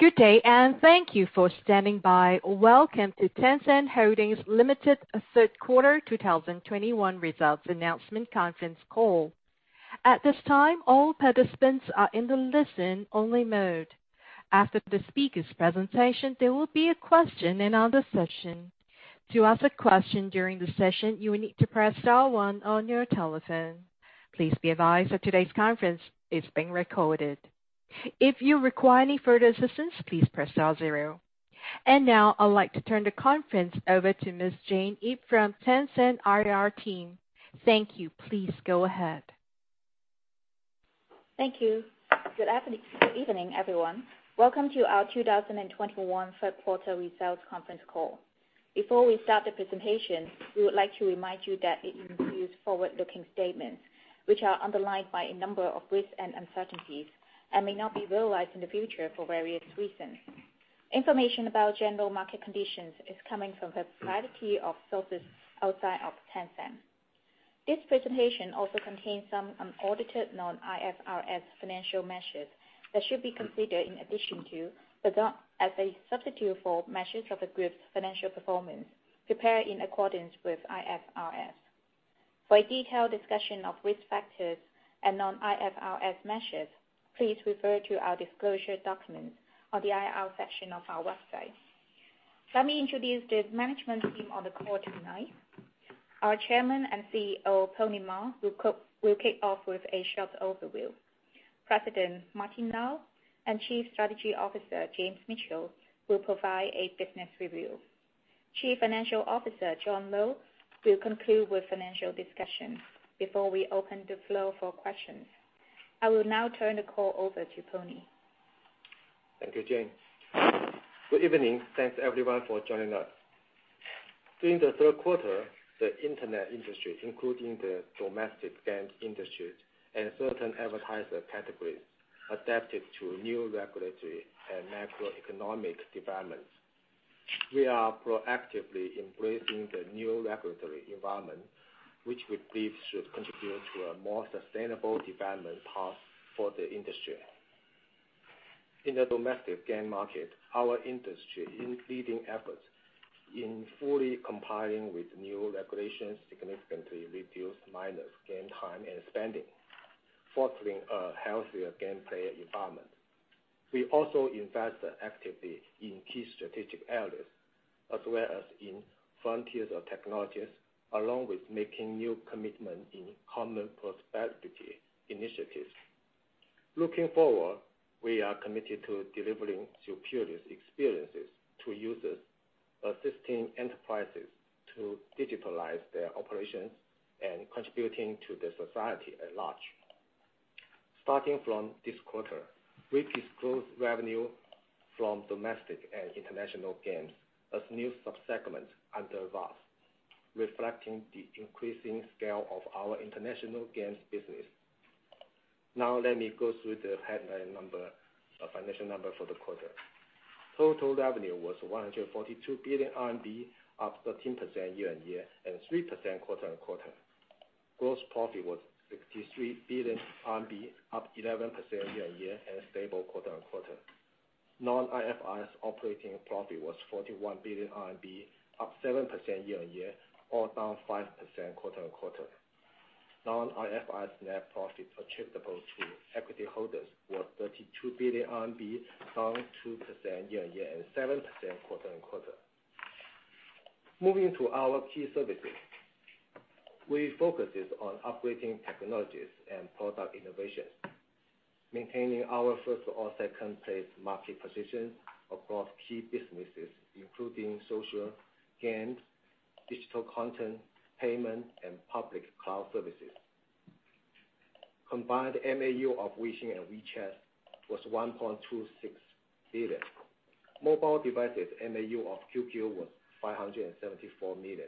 Good day, thank you for standing by. Welcome to Tencent Holdings Limited Third Quarter 2021 Results Announcement Conference Call. At this time, all participants are in the listen-only mode. After the speakers' presentation, there will be a question and answer session. To ask a question during the session, you will need to press star one on your telephone. Please be advised that today's conference is being recorded. If you require any further assistance, please press star zero. Now, I'd like to turn the conference over to Ms. Jane Yip from Tencent IR team. Thank you. Please go ahead. Thank you. Good evening, everyone. Welcome to our 2021 Third Quarter Results Conference Call. Before we start the presentation, we would like to remind you that it includes forward-looking statements, which are undermined by a number of risks and uncertainties, and may not be realized in the future for various reasons. Information about general market conditions is coming from a variety of sources outside of Tencent. This presentation also contains some unaudited non-IFRS financial measures that should be considered in addition to, but not as a substitute for, measures of the group's financial performance prepared in accordance with IFRS. For a detailed discussion of risk factors and non-IFRS measures, please refer to our disclosure documents on the IR section of our website. Let me introduce the management team on the call tonight. Our chairman and CEO, Pony Ma, will kick off with a short overview. President Martin Lau and Chief Strategy Officer James Mitchell will provide a business review. Chief Financial Officer John Lo will conclude with financial discussion before we open the floor for questions. I will now turn the call over to Pony. Thank you, Jane. Good evening. Thanks everyone for joining us. During the third quarter, the internet industry, including the domestic games industry and certain advertiser categories, adapted to new regulatory and macroeconomic developments. We are proactively embracing the new regulatory environment, which we believe should contribute to a more sustainable development path for the industry. In the domestic game market, our industry is leading efforts in fully complying with new regulations to significantly reduce minors' game time and spending, fostering a healthier game play environment. We also invest actively in key strategic areas, as well as in frontiers of technologies, along with making new commitment in common prosperity initiatives. Looking forward, we are committed to delivering superior experiences to users, assisting enterprises to digitalize their operations, and contributing to the society at large. Starting from this quarter, we disclose revenue from domestic and international games as new sub-segments under VAS, reflecting the increasing scale of our international games business. Now let me go through the headline number, financial number for the quarter. Total revenue was 142 billion RMB, up 13% year-on-year, and 3% quarter-on-quarter. Gross profit was 63 billion RMB, up 11% year-on-year and stable quarter-on-quarter. Non-IFRS operating profit was 41 billion RMB, up 7% year-on-year or down 5% quarter-on-quarter. Non-IFRS net profits attributable to equity holders were 32 billion RMB, down 2% year-on-year and 7% quarter-on-quarter. Moving to our key services. We focus on upgrading technologies and product innovations, maintaining our first or second place market position across key businesses, including social, games, digital content, payment, and public cloud services. Combined MAU of WeChat and Weixin was 1.26 billion. Mobile devices MAU of QQ was 574 million.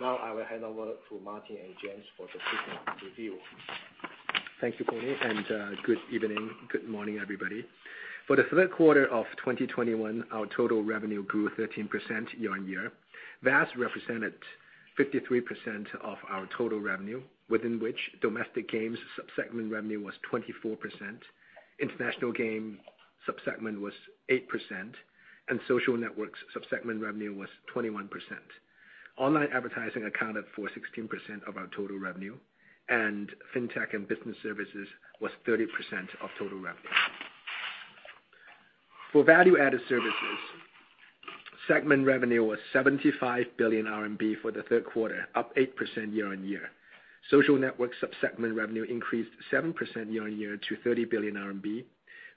Now I will hand over to Martin and James for the business review. Thank you, Pony, and good evening, good morning, everybody. For 3Q 2021, our total revenue grew 13% year-on-year. VAS represented 53% of our total revenue, within which domestic games sub-segment revenue was 24%, international game sub-segment was 8%, and social networks sub-segment revenue was 21%. Online advertising accounted for 16% of our total revenue, and fintech and business services was 30% of total revenue. For value-added services, segment revenue was 75 billion RMB for the third quarter, up 8% year-on-year. Social network sub-segment revenue increased 7% year-on-year to 30 billion RMB,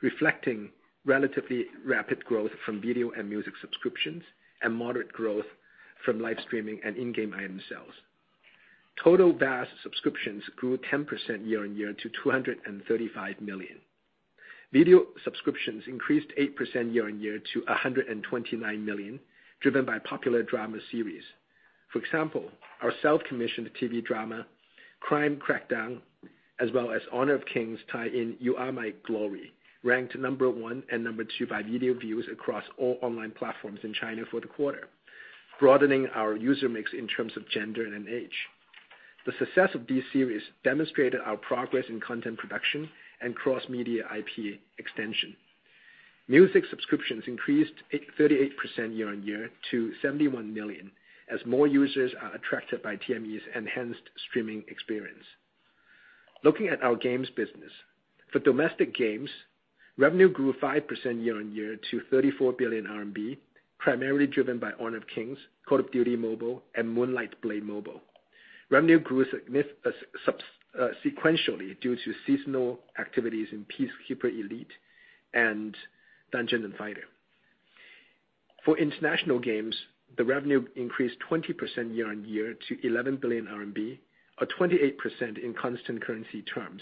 reflecting relatively rapid growth from video and music subscriptions and moderate growth from live streaming and in-game item sales. Total VAS subscriptions grew 10% year-on-year to 235 million. Video subscriptions increased 8% year-on-year to 129 million, driven by popular drama series. For example, our self-commissioned TV drama, Crime Crackdown, as well as Honor of Kings tie-in, You Are My Glory, ranked number 1 and number 2 by video views across all online platforms in China for the quarter, broadening our user mix in terms of gender and age. The success of this series demonstrated our progress in content production and cross-media IP extension. Music subscriptions increased 38% year-on-year to 71 million as more users are attracted by TME's enhanced streaming experience. Looking at our games business. For domestic games, revenue grew 5% year-on-year to 34 billion RMB, primarily driven by Honor of Kings, Call of Duty: Mobile, and Moonlight Blade Mobile. Revenue grew sequentially due to seasonal activities in Peacekeeper Elite and Dungeon Fighter. For international games, the revenue increased 20% year-on-year to 11 billion RMB, or 28% in constant currency terms,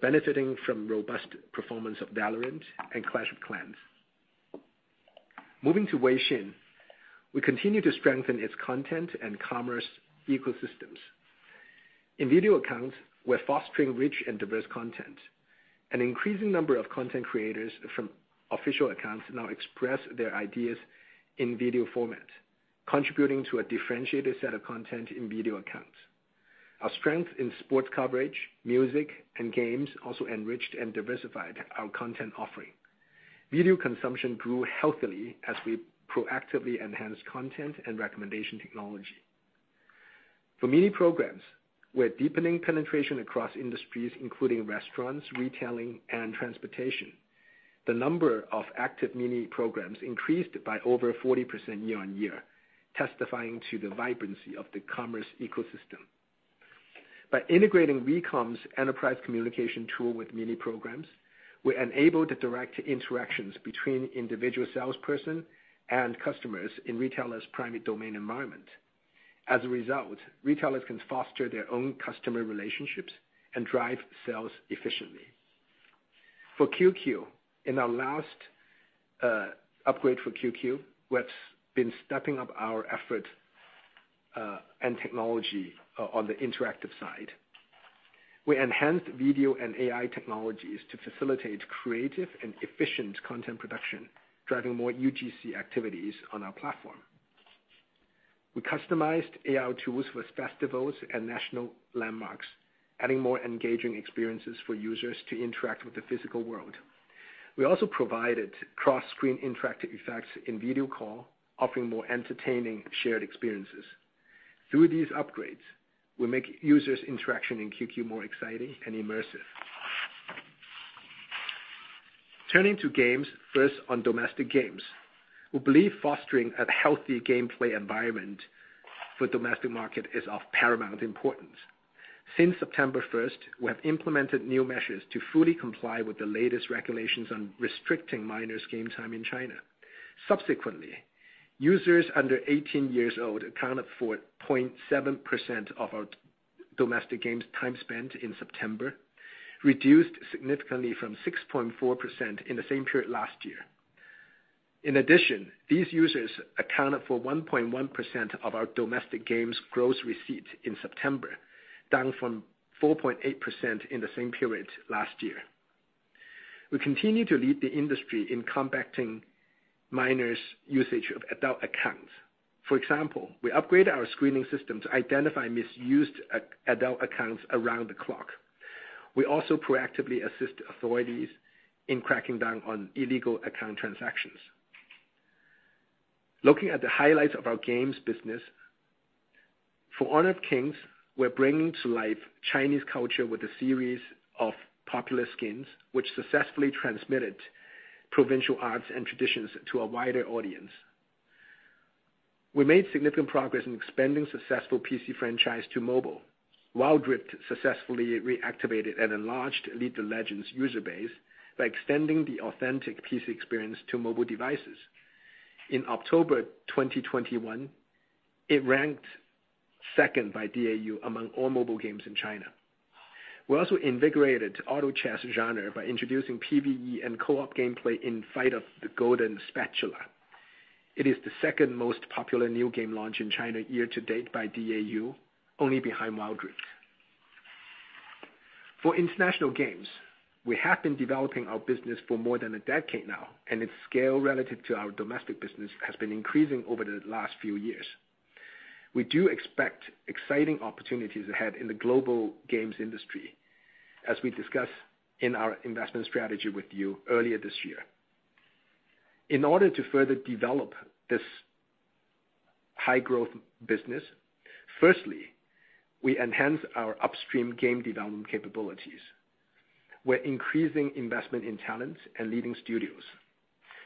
benefiting from robust performance of VALORANT and Clash of Clans. Moving to Weixin, we continue to strengthen its content and commerce ecosystems. In Video Accounts, we're fostering rich and diverse content. An increasing number of content creators from official accounts now express their ideas in video format, contributing to a differentiated set of content in Video Accounts. Our strength in sports coverage, music, and games also enriched and diversified our content offering. Video consumption grew healthily as we proactively enhanced content and recommendation technology. For mini programs, we're deepening penetration across industries, including restaurants, retailing, and transportation. The number of active mini programs increased by over 40% year-on-year, testifying to the vibrancy of the commerce ecosystem. By integrating WeCom's enterprise communication tool with mini programs, we enabled the direct interactions between individual salesperson and customers in retailers' private domain environment. As a result, retailers can foster their own customer relationships and drive sales efficiently. For QQ, in our last upgrade for QQ, we have been stepping up our effort and technology on the interactive side. We enhanced video and AI technologies to facilitate creative and efficient content production, driving more UGC activities on our platform. We customized AI tools with festivals and national landmarks, adding more engaging experiences for users to interact with the physical world. We also provided cross-screen interactive effects in video call, offering more entertaining shared experiences. Through these upgrades, we make users' interaction in QQ more exciting and immersive. Turning to games, first on domestic games. We believe fostering a healthy gameplay environment for domestic market is of paramount importance. Since September 1, we have implemented new measures to fully comply with the latest regulations on restricting minors' game time in China. Subsequently, users under 18 years old accounted for 0.7% of our domestic games time spent in September, reduced significantly from 6.4% in the same period last year. In addition, these users accounted for 1.1% of our domestic games' gross receipts in September, down from 4.8% in the same period last year. We continue to lead the industry in combating minors' usage of adult accounts. For example, we upgrade our screening system to identify misused adult accounts around the clock. We also proactively assist authorities in cracking down on illegal account transactions. Looking at the highlights of our games business. For Honor of Kings, we're bringing to life Chinese culture with a series of popular skins, which successfully transmitted provincial arts and traditions to a wider audience. We made significant progress in expanding successful PC franchise to mobile. Wild Rift successfully reactivated an enlarged League of Legends user base by extending the authentic PC experience to mobile devices. In October 2021, it ranked second by DAU among all mobile games in China. We also invigorated auto chess genre by introducing PVE and co-op gameplay in Battle of the Golden Spatula. It is the second most popular new game launch in China year to date by DAU, only behind Wild Rift. For international games, we have been developing our business for more than a decade now, and its scale relative to our domestic business has been increasing over the last few years. We do expect exciting opportunities ahead in the global games industry as we discussed in our investment strategy with you earlier this year. In order to further develop this high-growth business, firstly, we enhance our upstream game development capabilities. We're increasing investment in talent and leading studios.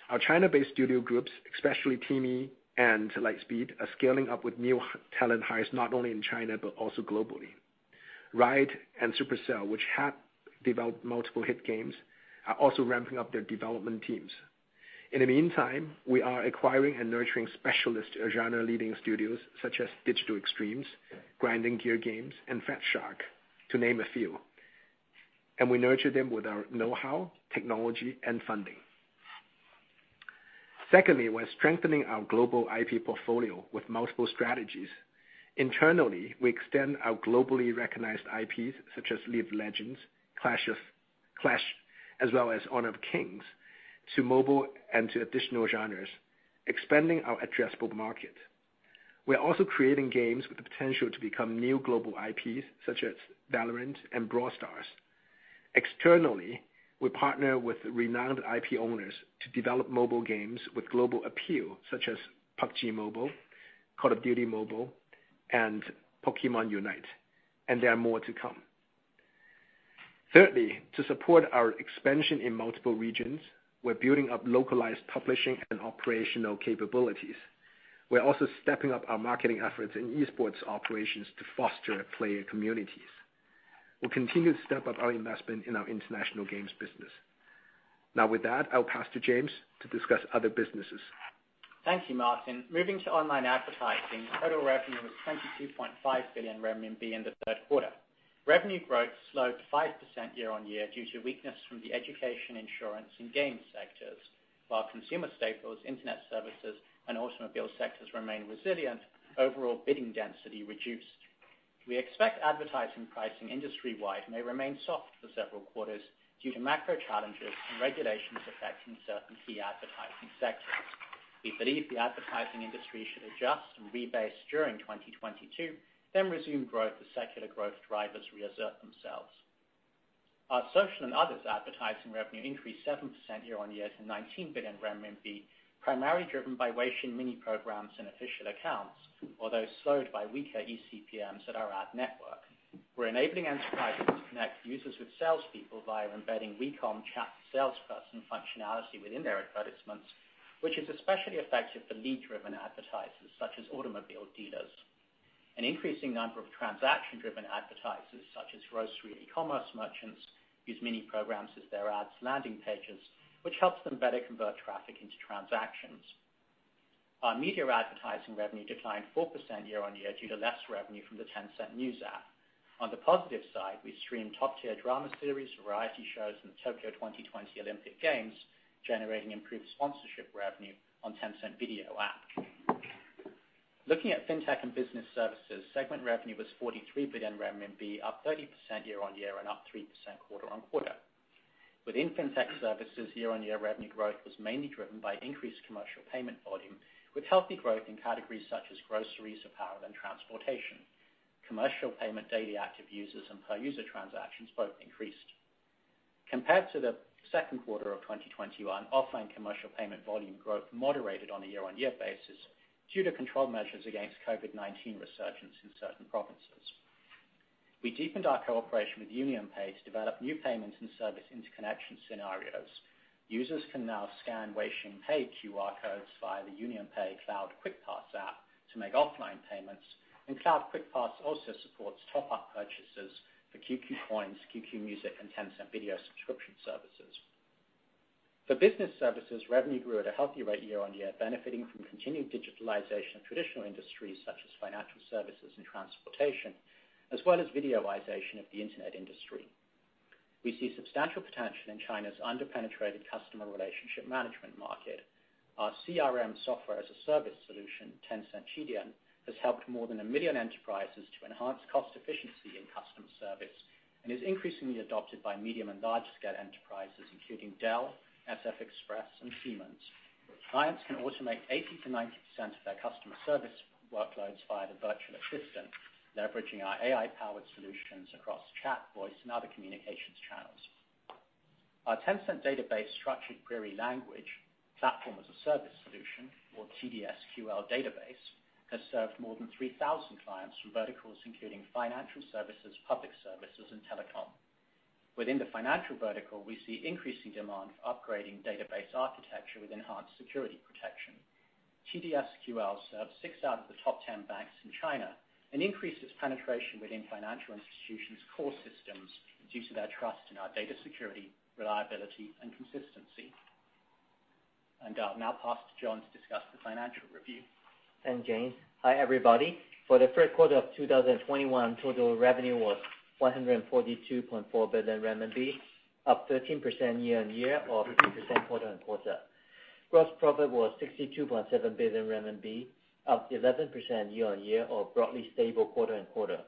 Our China-based studio groups, especially TiMi and Lightspeed, are scaling up with new talent hires, not only in China but also globally. Riot and Supercell, which have developed multiple hit games, are also ramping up their development teams. In the meantime, we are acquiring and nurturing specialist genre-leading studios such as Digital Extremes, Grinding Gear Games, and Fatshark, to name a few. We nurture them with our know-how, technology, and funding. Secondly, we're strengthening our global IP portfolio with multiple strategies. Internally, we extend our globally recognized IPs such as League of Legends, Clash of Clans, as well as Honor of Kings to mobile and to additional genres, expanding our addressable market. We are also creating games with the potential to become new global IPs, such as VALORANT and Brawl Stars. Externally, we partner with renowned IP owners to develop mobile games with global appeal, such as PUBG Mobile, Call of Duty: Mobile, and Pokémon UNITE, and there are more to come. Thirdly, to support our expansion in multiple regions, we're building up localized publishing and operational capabilities. We're also stepping up our marketing efforts in esports operations to foster player communities. We'll continue to step up our investment in our international games business. Now with that, I'll pass to James to discuss other businesses. Thank you, Martin. Moving to online advertising, total revenue was 22.5 billion RMB in the third quarter. Revenue growth slowed 5% year-on-year due to weakness from the education, insurance, and game sectors. While consumer staples, internet services, and automobile sectors remain resilient, overall bidding density reduced. We expect advertising pricing industry-wide may remain soft for several quarters due to macro challenges and regulations affecting certain key advertising sectors. We believe the advertising industry should adjust and rebase during 2022, then resume growth as secular growth drivers reassert themselves. Our social and others advertising revenue increased 7% year-on-year to 19 billion RMB, primarily driven by Weixin mini programs and official accounts, although slowed by weaker eCPMs at our ad network. We're enabling advertisers to connect users with salespeople via embedding WeCom chat salesperson functionality within their advertisements, which is especially effective for lead-driven advertisers such as automobile dealers. An increasing number of transaction-driven advertisers such as grocery e-commerce merchants use mini programs as their ads landing pages, which helps them better convert traffic into transactions. Our media advertising revenue declined 4% year-on-year due to less revenue from the Tencent News app. On the positive side, we streamed top-tier drama series, variety shows in the Tokyo 2020 Olympic Games, generating improved sponsorship revenue on Tencent Video app. Looking at fintech and business services, segment revenue was 43 billion RMB, up 30% year-on-year and up 3% quarter-on-quarter. Within fintech services, year-on-year revenue growth was mainly driven by increased commercial payment volume with healthy growth in categories such as groceries, apparel, and transportation. Commercial payment daily active users and per user transactions both increased. Compared to the second quarter of 2021, offline commercial payment volume growth moderated on a year-on-year basis due to control measures against COVID-19 resurgence in certain provinces. We deepened our cooperation with UnionPay to develop new payments and service interconnection scenarios. Users can now scan Weixin Pay QR codes via the UnionPay Cloud QuickPass app to make offline payments, and Cloud QuickPass also supports top-up purchases for QQ Coins, QQ Music, and Tencent Video subscription services. For business services, revenue grew at a healthy rate year-on-year, benefiting from continued digitalization of traditional industries such as financial services and transportation, as well as videoization of the internet industry. We see substantial potential in China's under-penetrated customer relationship management market. Our CRM Software as a Service solution, Tencent Qidian, has helped more than 1 million enterprises to enhance cost efficiency in customer service and is increasingly adopted by medium- and large-scale enterprises, including Dell, SF Express, and Siemens. Clients can automate 80%-90% of their customer service workloads via the virtual assistant, leveraging our AI-powered solutions across chat, voice, and other communications channels. Our Tencent Distributed SQL platform as a service solution, or TDSQL, has served more than 3,000 clients from verticals including financial services, public services, and telecom. Within the financial vertical, we see increasing demand for upgrading database architecture with enhanced security protection. TDSQL serves six out of the top 10 banks in China and increases penetration within financial institutions' core systems due to their trust in our data security, reliability, and consistency. I'll now pass to John to discuss the financial review. Thanks, James. Hi, everybody. For the third quarter of 2021, total revenue was 142.4 billion renminbi, up 13% year-on-year or 13% quarter-on-quarter. Gross profit was 62.7 billion RMB, up 11% year-on-year or broadly stable quarter-on-quarter.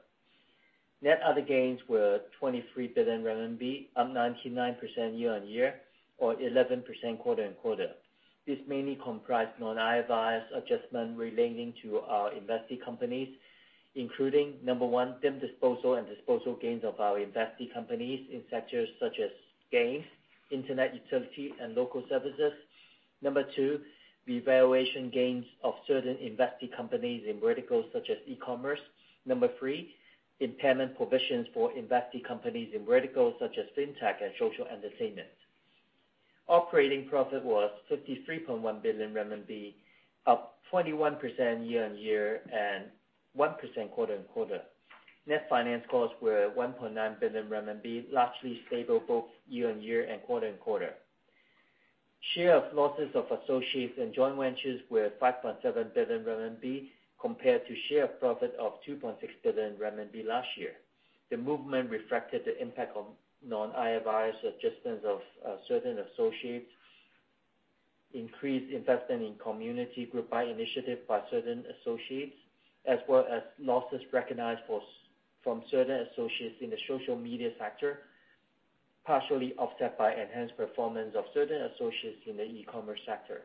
Net other gains were 23 billion renminbi, up 99% year-on-year or 11% quarter-on-quarter. This mainly comprised non-IFRS adjustment relating to our investee companies, including, number one, deemed disposal and disposal gains of our investee companies in sectors such as games, internet utility, and local services. Number two, the revaluation gains of certain investee companies in verticals such as e-commerce. Number three, impairment provisions for investee companies in verticals such as fintech and social entertainment. Operating profit was 53.1 billion RMB, up 21% year-on-year and 1% quarter-on-quarter. Net finance costs were 1.9 billion RMB, largely stable both year-on-year and quarter-on-quarter. Share of losses of associates and joint ventures were 5.7 billion RMB compared to share profit of 2.6 billion RMB last year. The movement reflected the impact of non-IFRS adjustments of certain associates, increased investment in community group buy initiative by certain associates, as well as losses recognized from certain associates in the social media sector, partially offset by enhanced performance of certain associates in the e-commerce sector.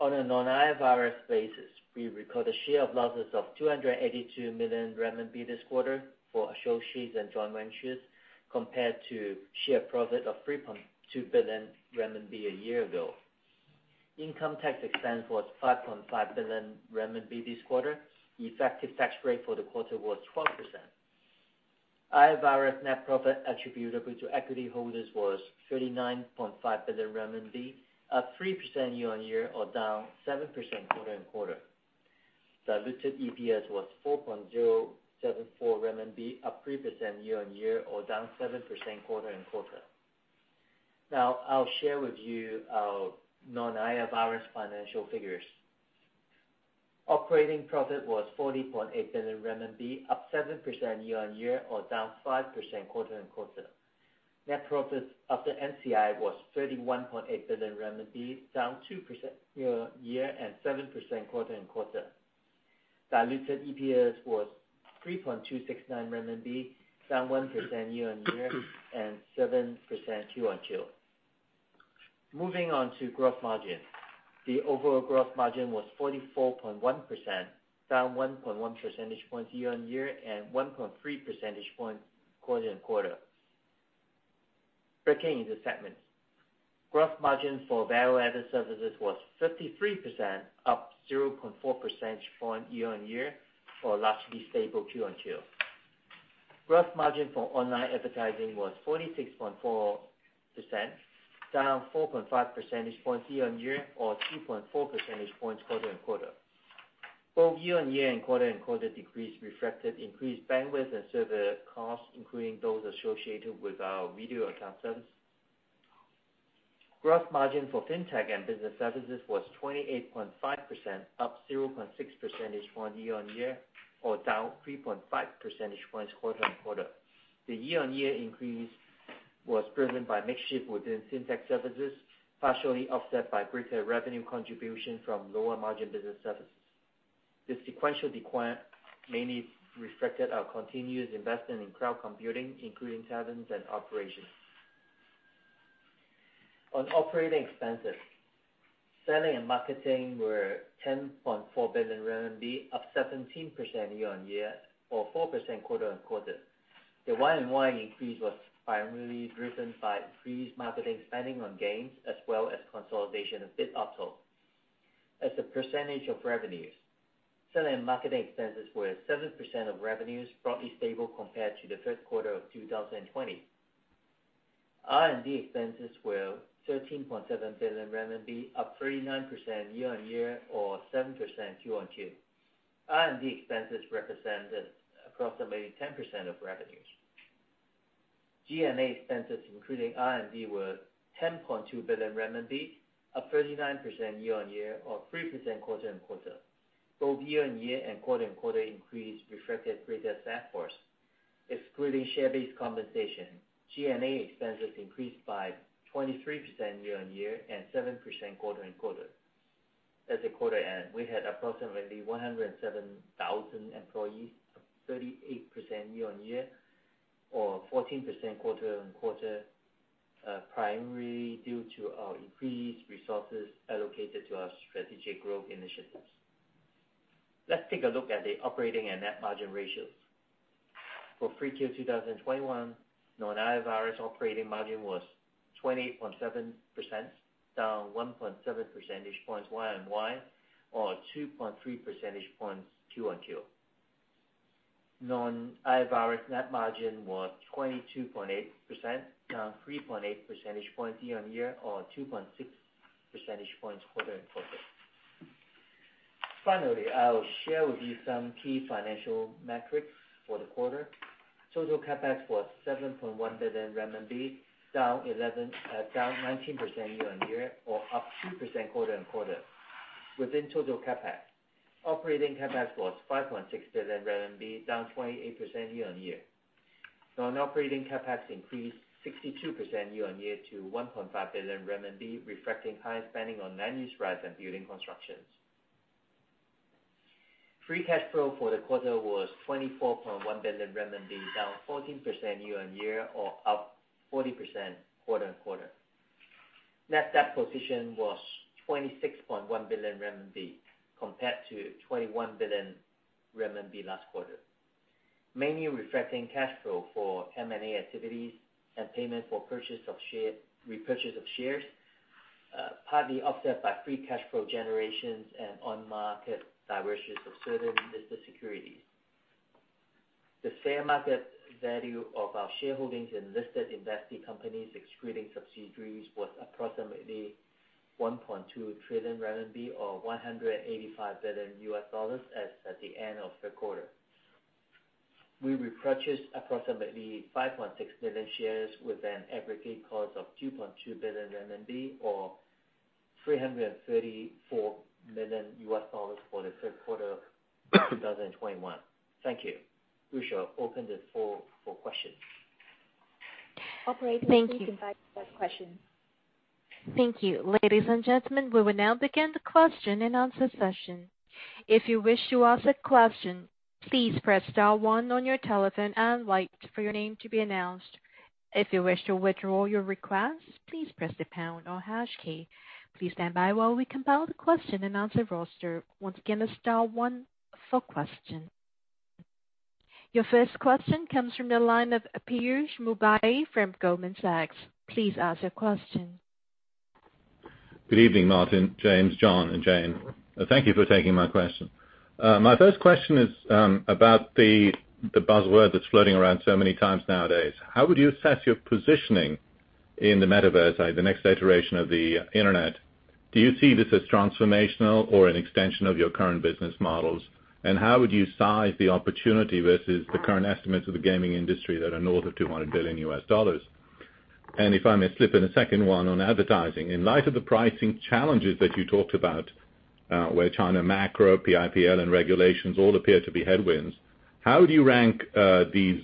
On a non-IFRS basis, we recorded share of losses of 282 million renminbi this quarter for associates and joint ventures, compared to share profit of 3.2 billion RMB a year ago. Income tax expense was 5.5 billion RMB this quarter. Effective tax rate for the quarter was 12%. IFRS net profit attributable to equity holders was 39.5 billion RMB, up 3% year-on-year or down 7% quarter-on-quarter. Diluted EPS was CNY 4.074, up 3% year-on-year or down 7% quarter-on-quarter. Now I'll share with you our non-IFRS financial figures. Operating profit was 40.8 billion RMB, up 7% year-on-year or down 5% quarter-on-quarter. Net profits after NCI was 31.8 billion, down 2% year-on-year and 7% quarter-on-quarter. Diluted EPS was 3.269 RMB, down 1% year-on-year and 7% QoQ. Moving on to gross margin. The overall gross margin was 44.1%, down 1.1 percentage points year-on-year and 1.3 percentage points quarter-on-quarter. Breaking into segments. Gross margin for Value-Added Services was 53%, up 0.4 percentage points year-on-year and largely stable quarter-on-quarter. Gross margin for Online Advertising was 46.4%, down 4.5 percentage points year-on-year or 2.4 percentage points quarter-on-quarter. Both year-on-year and quarter-on-quarter decrease reflected increased bandwidth and server costs, including those associated with our Video Accounts service. Gross margin for FinTech and Business Services was 28.5%, up 0.6 percentage points year-on-year or down 3.5 percentage points quarter-on-quarter. The year-on-year increase was driven by mix shift within Fintech services, partially offset by greater revenue contribution from lower margin business services. The sequential decline mainly reflected our continuous investment in cloud computing, including CapEx and operations. On operating expenses, selling and marketing were 10.4 billion RMB, up 17% year on year or 4% quarter on quarter. The YoY increase was primarily driven by increased marketing spending on games as well as consolidation of BitAuto. As a percentage of revenues, selling and marketing expenses were 7% of revenues, broadly stable compared to the first quarter of 2020. R&D expenses were 13.7 billion RMB, up 39% year on year or 7% QoQ. R&D expenses represented approximately 10% of revenues. G&A expenses, including R&D, were 10.2 billion renminbi, up 39% year-on-year or 3% quarter-on-quarter. Both year-on-year and quarter-on-quarter increase reflected greater staff force. Excluding share-based compensation, G&A expenses increased by 23% year-on-year and 7% quarter-on-quarter. As a quarter end, we had approximately 107,000 employees, up 38% year-on-year or 14% quarter-on-quarter, primarily due to our increased resources allocated to our strategic growth initiatives. Let's take a look at the operating and net margin ratios. For 3Q 2021, non-IFRS operating margin was 20.7%, down 1.7 percentage points YoY or 2.3 percentage points QoQ. Non-IFRS net margin was 22.8%, down 3.8 percentage points year-on-year or 2.6 percentage points quarter-on-quarter. Finally, I'll share with you some key financial metrics for the quarter. Total CapEx was 7.1 billion RMB, down 19% year-on-year or up 2% quarter-on-quarter. Within total CapEx, operating CapEx was 5.6 billion RMB, down 28% year-on-year. Non-operating CapEx increased 62% year-on-year to 1.5 billion RMB, reflecting higher spending on land use rights and building constructions. Free cash flow for the quarter was 24.1 billion renminbi, down 14% year-on-year or up 40% quarter-on-quarter. Net debt position was 26.1 billion RMB compared to 21 billion RMB last quarter, mainly reflecting cash flow for M&A activities and payment for repurchase of shares, partly offset by free cash flow generations and on-market diversions of certain business securities. The fair market value of our shareholdings in listed investee companies, excluding subsidiaries, was approximately 1.2 trillion RMB or $185 billion as at the end of the quarter. We repurchased approximately 5.6 million shares with an aggregate cost of 2.2 billion RMB or $334 million for the third quarter of 2021. Thank you. We shall open the floor for questions. Operator- Thank you. Please invite the first question. Thank you. Ladies and gentlemen, we will now begin the question and answer session. If you wish to ask a question, please press star one on your telephone and wait for your name to be announced. If you wish to withdraw your request, please press the pound or hash key. Please stand by while we compile the question and answer roster. Once again, it's star one for question. Your first question comes from the line of Piyush Mubayi from Goldman Sachs. Please ask your question. Good evening, Martin, James, John, and Jane. Thank you for taking my question. My first question is about the buzzword that's floating around so many times nowadays. How would you assess your positioning in the Metaverse, the next iteration of the internet? Do you see this as transformational or an extension of your current business models? How would you size the opportunity versus the current estimates of the gaming industry that are north of $200 billion? If I may slip in a second one on advertising. In light of the pricing challenges that you talked about, where China macro, PIPL, and regulations all appear to be headwinds, how do you rank these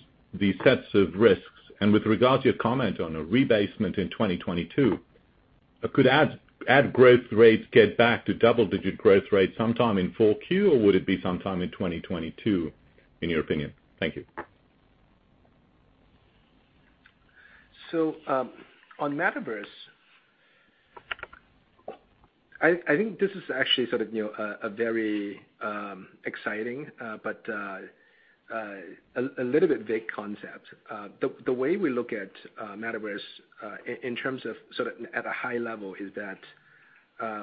sets of risks? With regard to your comment on a rebasement in 2022, could ad growth rates get back to double-digit growth rates sometime in 4Q, or would it be sometime in 2022, in your opinion? Thank you. On Metaverse, I think this is actually sort of, you know, a very exciting, but a little bit vague concept. The way we look at Metaverse, in terms of sort of at a high level is that,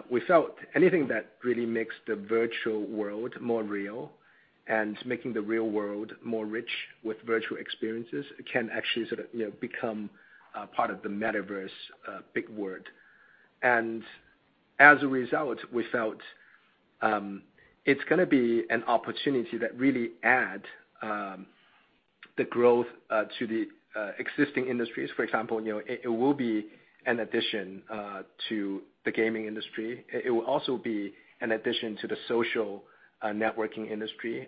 we felt anything that really makes the virtual world more real and making the real world more rich with virtual experiences can actually sort of, you know, become part of the Metaverse, big word. As a result, we felt, it's gonna be an opportunity that really add the growth to the existing industries. For example, you know, it will be an addition to the gaming industry. It will also be an addition to the social networking industry.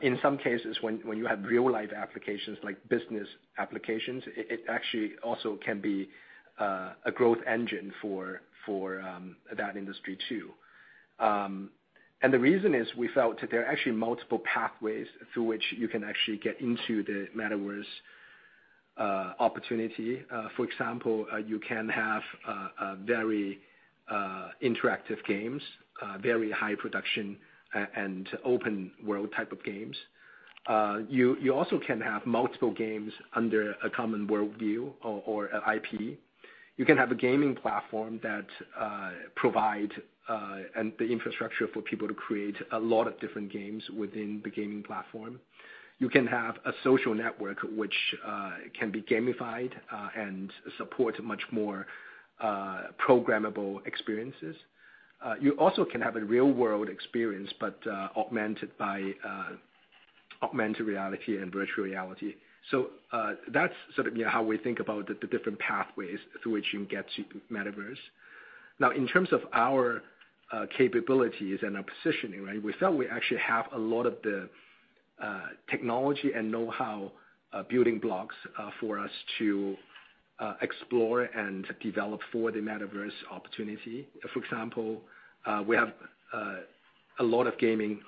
In some cases, when you have real-life applications like business applications, it actually also can be a growth engine for that industry too. The reason is, we felt that there are actually multiple pathways through which you can actually get into the Metaverse opportunity. For example, you can have a very interactive games, very high production and open world type of games. You also can have multiple games under a common worldview or IP. You can have a gaming platform that provide and the infrastructure for people to create a lot of different games within the gaming platform. You can have a social network which can be gamified and support much more programmable experiences. You also can have a real-world experience, but augmented by augmented reality and virtual reality. That's sort of, you know, how we think about the different pathways through which you can get to Metaverse. Now, in terms of our capabilities and our positioning, right? We felt we actually have a lot of the technology and know-how building blocks for us to explore and develop for the Metaverse opportunity. For example, we have a lot of gaming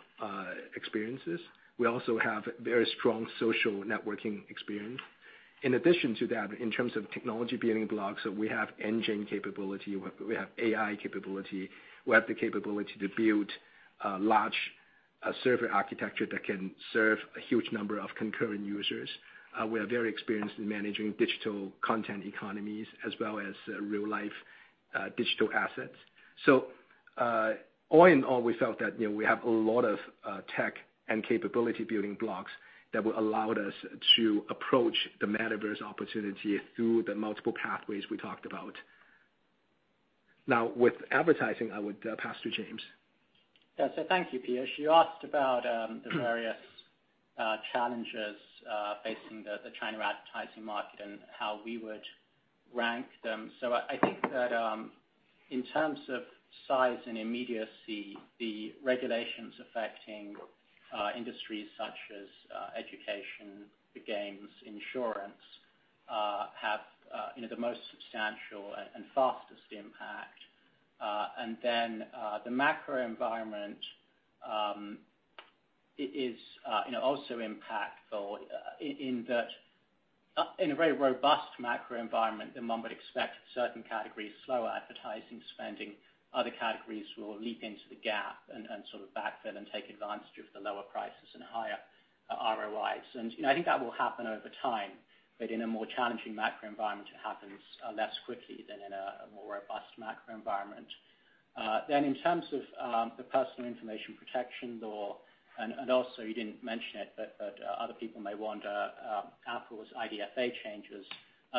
experiences. We also have very strong social networking experience. In addition to that, in terms of technology building blocks, we have engine capability, we have AI capability, we have the capability to build a large server architecture that can serve a huge number of concurrent users. We are very experienced in managing digital content economies as well as real life, digital assets. All in all, we felt that, you know, we have a lot of tech and capability building blocks that will allow us to approach the Metaverse opportunity through the multiple pathways we talked about. Now, with advertising, I would pass to James. Yeah. Thank you, Piyush. You asked about the various challenges facing the China advertising market and how we would rank them. I think that in terms of size and immediacy, the regulations affecting industries such as education, the games, insurance have you know the most substantial and fastest impact. The macro environment is you know also impactful in that in a very robust macro environment, then one would expect certain categories slower advertising spending, other categories will leap into the gap and sort of backfill and take advantage of the lower prices and higher ROIs. You know, I think that will happen over time, but in a more challenging macro environment, it happens less quickly than in a more robust macro environment. In terms of the Personal Information Protection Law, also you didn't mention it, but other people may want Apple's IDFA changes,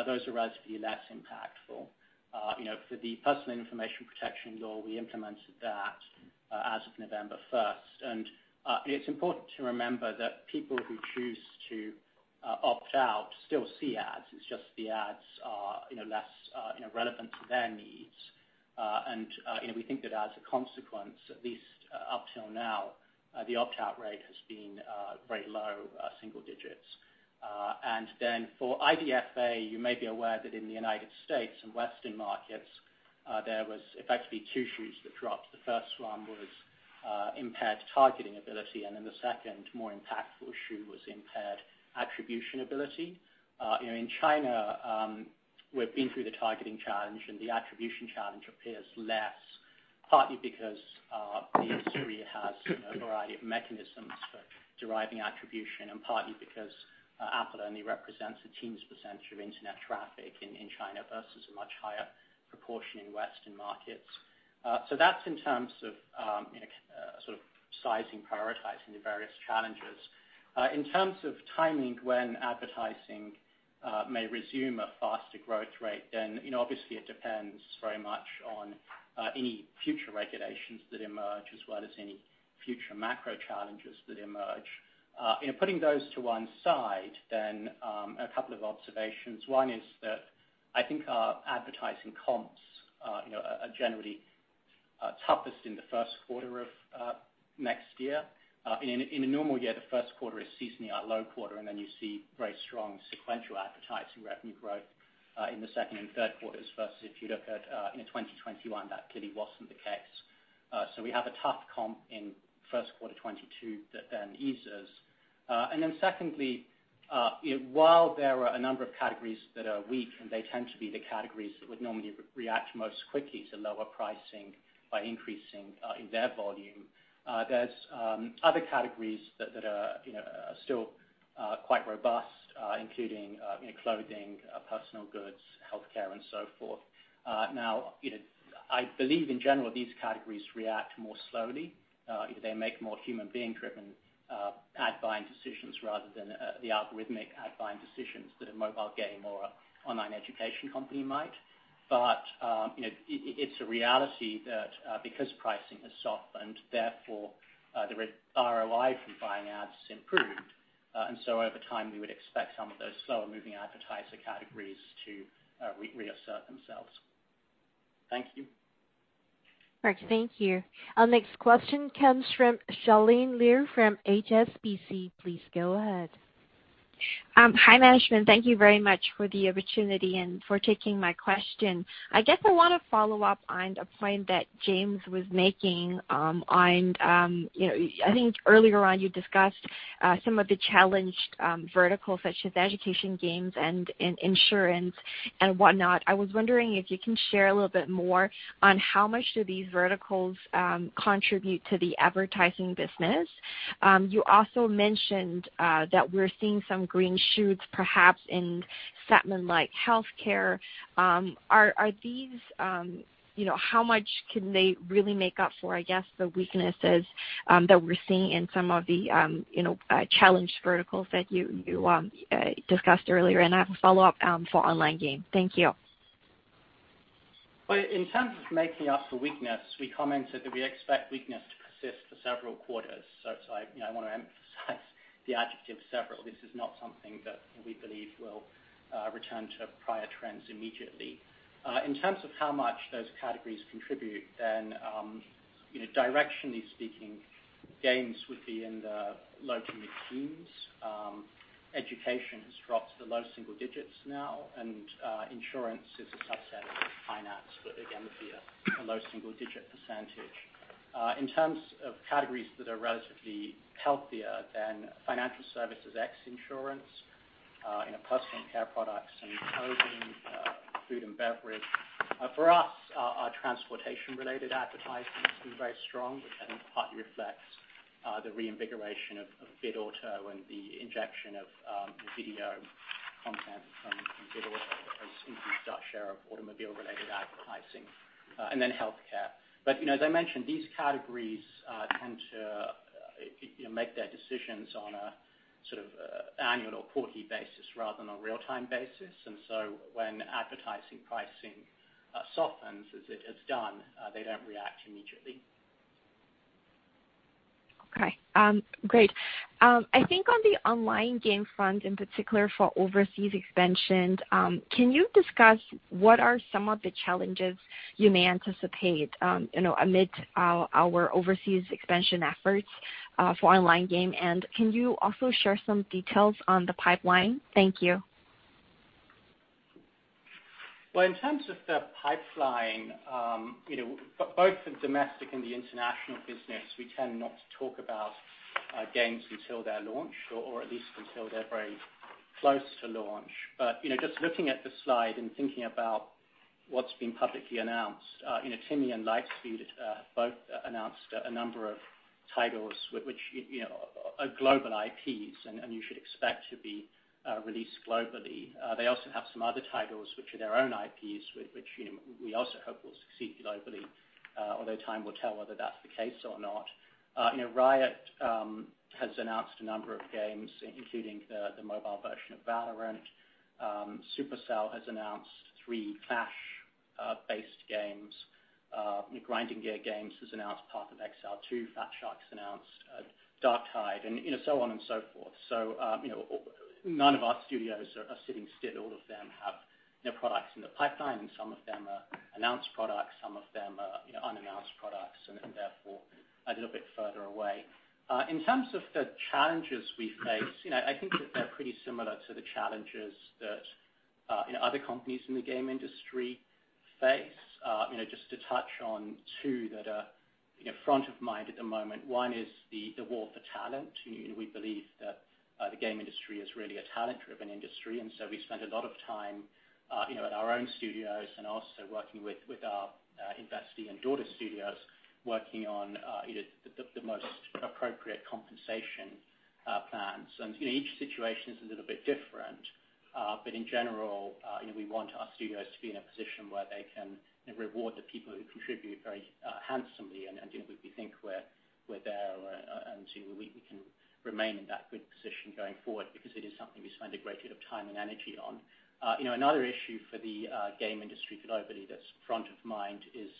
those are relatively less impactful. You know, for the Personal Information Protection Law, we implemented that as of November 1. It's important to remember that people who choose to opt out still see ads, it's just the ads are, you know, less, you know, relevant to their needs. You know, we think that as a consequence, at least up till now, the opt-out rate has been very low, single digits. For IDFA, you may be aware that in the United States and Western markets, there was effectively two shoes that dropped. The first one was impaired targeting ability, and then the second more impactful shoe was impaired attribution ability. You know, in China, we've been through the targeting challenge, and the attribution challenge appears less, partly because the industry has you know, a variety of mechanisms for deriving attribution, and partly because Apple only represents a teens percentage of internet traffic in China versus a much higher proportion in Western markets. That's in terms of you know, sort of sizing, prioritizing the various challenges. In terms of timing when advertising may resume a faster growth rate, then you know, obviously it depends very much on any future regulations that emerge, as well as any future macro challenges that emerge. You know, putting those to one side then, a couple of observations. One is that I think our advertising comps, you know, are generally toughest in the first quarter of next year. In a normal year, the first quarter is seasonally our low quarter, and then you see very strong sequential advertising revenue growth in the second and third quarters versus if you look at, you know, 2021, that clearly wasn't the case. So we have a tough comp in first quarter 2022 that then eases. And then secondly, while there are a number of categories that are weak, and they tend to be the categories that would normally react most quickly to lower pricing by increasing in their volume. There's other categories that you know are still quite robust, including you know clothing, personal goods, healthcare and so forth. Now, you know, I believe in general, these categories react more slowly. You know, they make more human being driven ad buying decisions rather than the algorithmic ad buying decisions that a mobile game or an online education company might. You know, it's a reality that because pricing has softened, therefore the ROI from buying ads improved. Over time, we would expect some of those slower moving advertiser categories to reassert themselves. Thank you. Mark, thank you. Our next question comes from Charlene Liu from HSBC. Please go ahead. Hi, management. Thank you very much for the opportunity and for taking my question. I guess I wanna follow up on a point that James was making, on, you know, I think earlier on you discussed some of the challenged verticals such as education games and insurance and whatnot. I was wondering if you can share a little bit more on how much do these verticals contribute to the advertising business? You also mentioned that we're seeing some green shoots, perhaps in segment like healthcare. Are these, you know, how much can they really make up for, I guess, the weaknesses that we're seeing in some of the, you know, challenged verticals that you discussed earlier? I have a follow-up for online game. Thank you. Well, in terms of making up for weakness, we commented that we expect weakness to persist for several quarters. I, you know, I wanna emphasize the adjective several. This is not something that we believe will return to prior trends immediately. In terms of how much those categories contribute, you know, directionally speaking, games would be in the low- to mid-teens. Education has dropped to low-single digits now. Insurance is a subset of finance, but again, would be a low-single-digit percentage. In terms of categories that are relatively healthier than financial services, ex insurance, you know, personal care products and clothing, food and beverage. For us, our transportation related advertising has been very strong, which I think partly reflects the reinvigoration of BitAuto and the injection of video content from BitAuto has increased our share of automobile related advertising, and then healthcare. But you know, as I mentioned, these categories tend to you know, make their decisions on a sort of annual or quarterly basis rather than a real time basis. When advertising pricing softens as it has done, they don't react immediately. Okay. Great. I think on the online game front, in particular for overseas expansion, can you discuss what are some of the challenges you may anticipate, you know, amid our overseas expansion efforts, for online game? And can you also share some details on the pipeline? Thank you. Well, in terms of the pipeline, you know, both the domestic and the international business, we tend not to talk about games until they're launched or at least until they're very close to launch. You know, just looking at the slide and thinking about what's been publicly announced, you know, TiMi and Lightspeed both announced a number of titles which, you know, are global IPs and you should expect to be released globally. They also have some other titles which are their own IPs, which, you know, we also hope will succeed globally. Although time will tell whether that's the case or not. You know, Riot has announced a number of games, including the mobile version of VALORANT. Supercell has announced three Clash-based games. Grinding Gear Games has announced Path of Exile 2. Fatshark's announced Darktide, and you know, so on and so forth. None of our studios are sitting still. All of them have you know, products in the pipeline, and some of them are announced products, some of them are you know, unannounced products and therefore a little bit further away. In terms of the challenges we face, you know, I think that they're pretty similar to the challenges that you know, other companies in the game industry face. You know, just to touch on two that are you know, front of mind at the moment. One is the war for talent. You know, we believe that the game industry is really a talent-driven industry, and so we spend a lot of time, you know, at our own studios and also working with our investee and daughter studios working on, you know, the most appropriate compensation plans. You know, each situation is a little bit different. But in general, you know, we want our studios to be in a position where they can reward the people who contribute very handsomely. You know, we think we're there and so we can remain in that good position going forward because it is something we spend a great deal of time and energy on. You know, another issue for the game industry globally that's front of mind is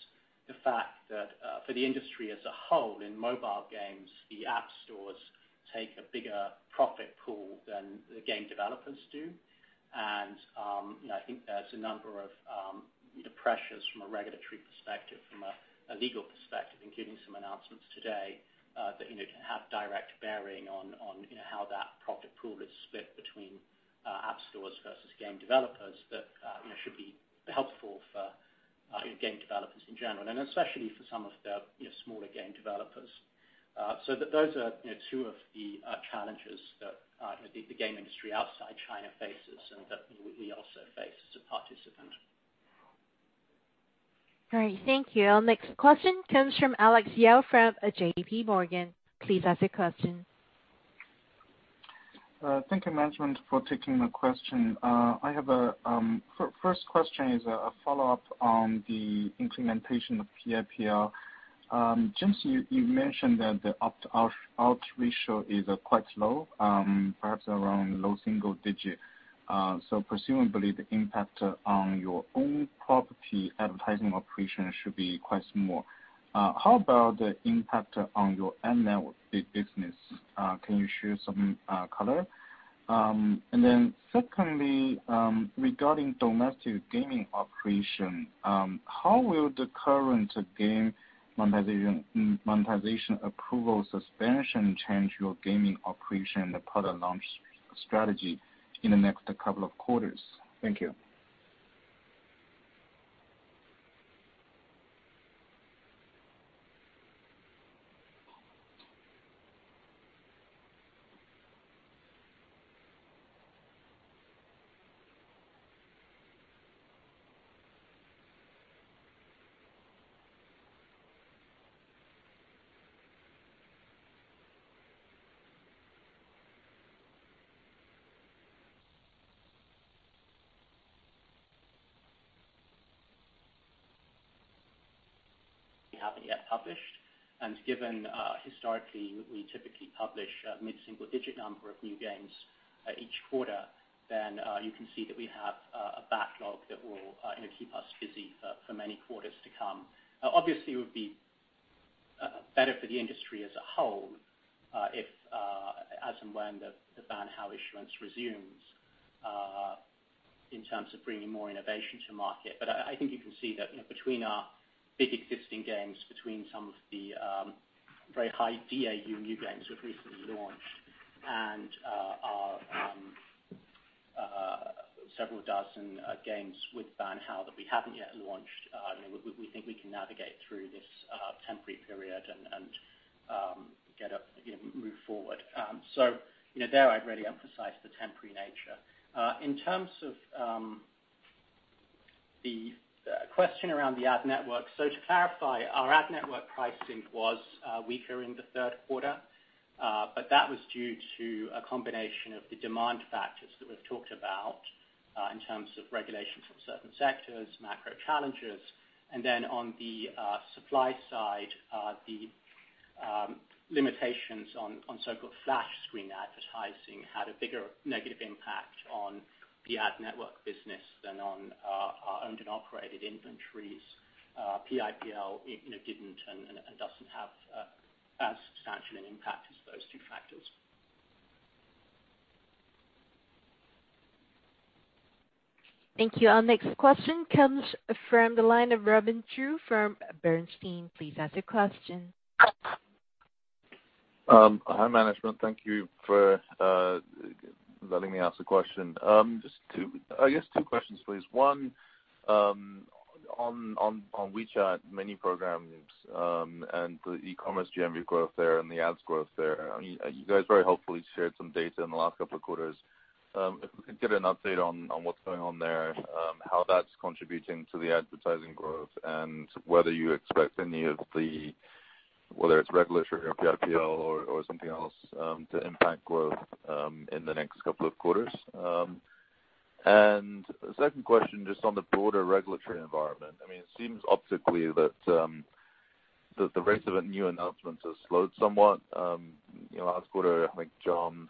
the fact that for the industry as a whole in mobile games, the app stores take a bigger profit pool than the game developers do. You know, I think there's a number of pressures from a regulatory perspective, from a legal perspective, including some announcements today that you know, can have direct bearing on how that profit pool is split between app stores versus game developers that you know, should be helpful for you know, game developers in general, and especially for some of the you know, smaller game developers. Those are, you know, two of the, you know, the game industry outside China faces and that we also face as a participant. All right. Thank you. Our next question comes from Alex Yao from JPMorgan, please ask your question. Thank you, management, for taking the question. I have a first question, which is a follow-up on the implementation of PIPL. James, you mentioned that the opt-out ratio is quite low, perhaps around low single digit. Presumably the impact on your on-property advertising operation should be quite small. How about the impact on your ad network business? Can you share some color? Secondly, regarding domestic gaming operation, how will the current game monetization approval suspension change your gaming operation, the product launch strategy in the next couple of quarters? Thank you. We haven't yet published. Given historically we typically publish a mid-single digit number of new games each quarter, then you can see that we have a backlog that will you know keep us busy for many quarters to come. Obviously it would be better for the industry as a whole if as and when the Banhao issuance resumes in terms of bringing more innovation to market. But I think you can see that you know between our big existing games between some of the very high DAU new games we've recently launched and our several dozen games with Banhao that we haven't yet launched you know we think we can navigate through this temporary period and get up you know move forward. You know, there, I'd really emphasize the temporary nature. In terms of the question around the ad network, to clarify, our ad network pricing was weaker in the third quarter, but that was due to a combination of the demand factors that we've talked about in terms of regulation from certain sectors, macro challenges. Then on the supply side, the limitations on so-called flash screen advertising had a bigger negative impact on the ad network business than on our owned and operated inventories. PIPL, you know, didn't and doesn't have as substantial an impact as those two factors. Thank you. Our next question comes from the line of Robin Zhu from Bernstein. Please ask your question. Hi, management. Thank you for letting me ask a question. Just two, I guess two questions, please. One, on WeChat Mini Programs, and the e-commerce GMV growth there and the ads growth there. I mean, you guys very helpfully shared some data in the last couple of quarters. If we could get an update on what's going on there, how that's contributing to the advertising growth, and whether you expect any of the, whether it's regulatory or PIPL or something else, to impact growth in the next couple of quarters. Second question, just on the broader regulatory environment. I mean, it seems optically that the rest of the new announcements have slowed somewhat. You know, last quarter, I think John.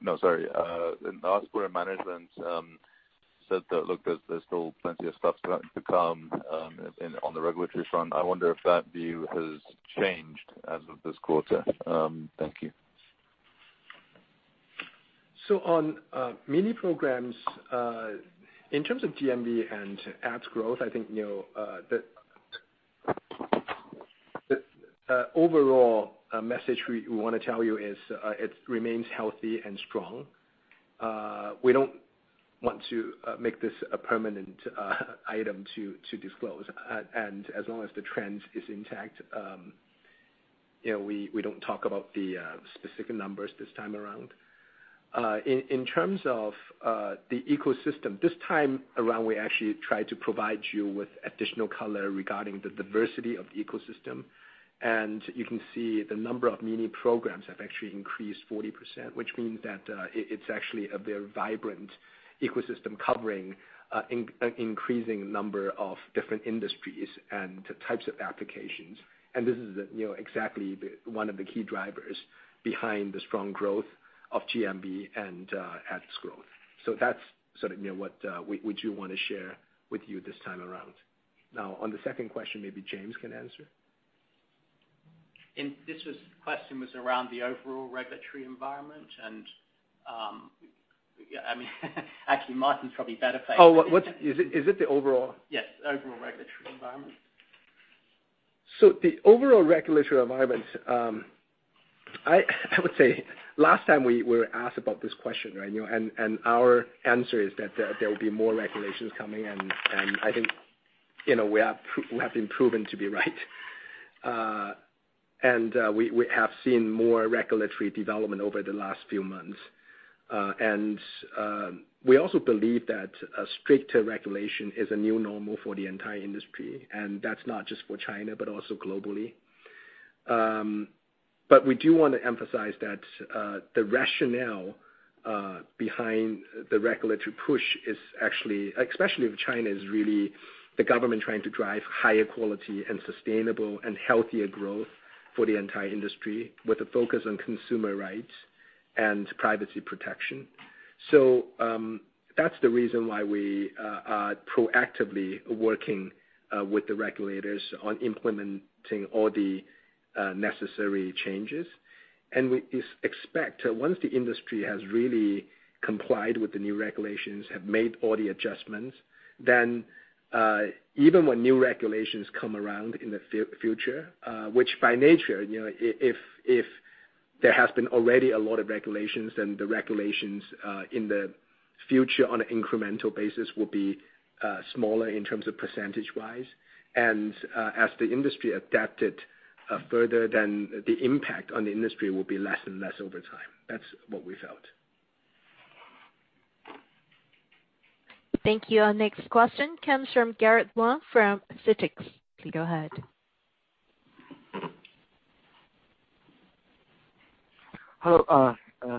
No, sorry. In the last quarter management said that look, there's still plenty of stuff to come in on the regulatory front. I wonder if that view has changed as of this quarter. Thank you. On mini programs, in terms of GMV and apps growth, I think, you know, the overall message we wanna tell you is, it remains healthy and strong. We don't want to make this a permanent item to disclose. As long as the trend is intact, you know, we don't talk about the specific numbers this time around. In terms of the ecosystem, this time around, we actually tried to provide you with additional color regarding the diversity of the ecosystem. You can see the number of mini programs have actually increased 40%, which means that, it's actually a very vibrant ecosystem covering, an increasing number of different industries and types of applications. This is exactly one of the key drivers behind the strong growth of GMV and apps growth. That's what we do wanna share with you this time around. Now on the second question, maybe James can answer. The question was around the overall regulatory environment and, yeah, I mean, actually Martin's probably better placed. Is it the overall? Yes. Overall regulatory environment. The overall regulatory environment, I would say last time we were asked about this question, right, you know, and our answer is that there will be more regulations coming. I think, you know, we have been proven to be right. We have seen more regulatory development over the last few months. We also believe that a stricter regulation is a new normal for the entire industry, and that's not just for China but also globally. We do wanna emphasize that the rationale behind the regulatory push is actually, especially with China, is really the government trying to drive higher quality and sustainable and healthier growth for the entire industry with a focus on consumer rights and privacy protection. That's the reason why we are proactively working with the regulators on implementing all the necessary changes. We expect once the industry has really complied with the new regulations, have made all the adjustments, then even when new regulations come around in the future, which by nature, you know, if there has been already a lot of regulations, then the regulations in the future on an incremental basis will be smaller in terms of percentage-wise. As the industry adapted further, then the impact on the industry will be less and less over time. That's what we felt. Thank you. Our next question comes from Guanren Wang from CITIC. Please go ahead. Hello.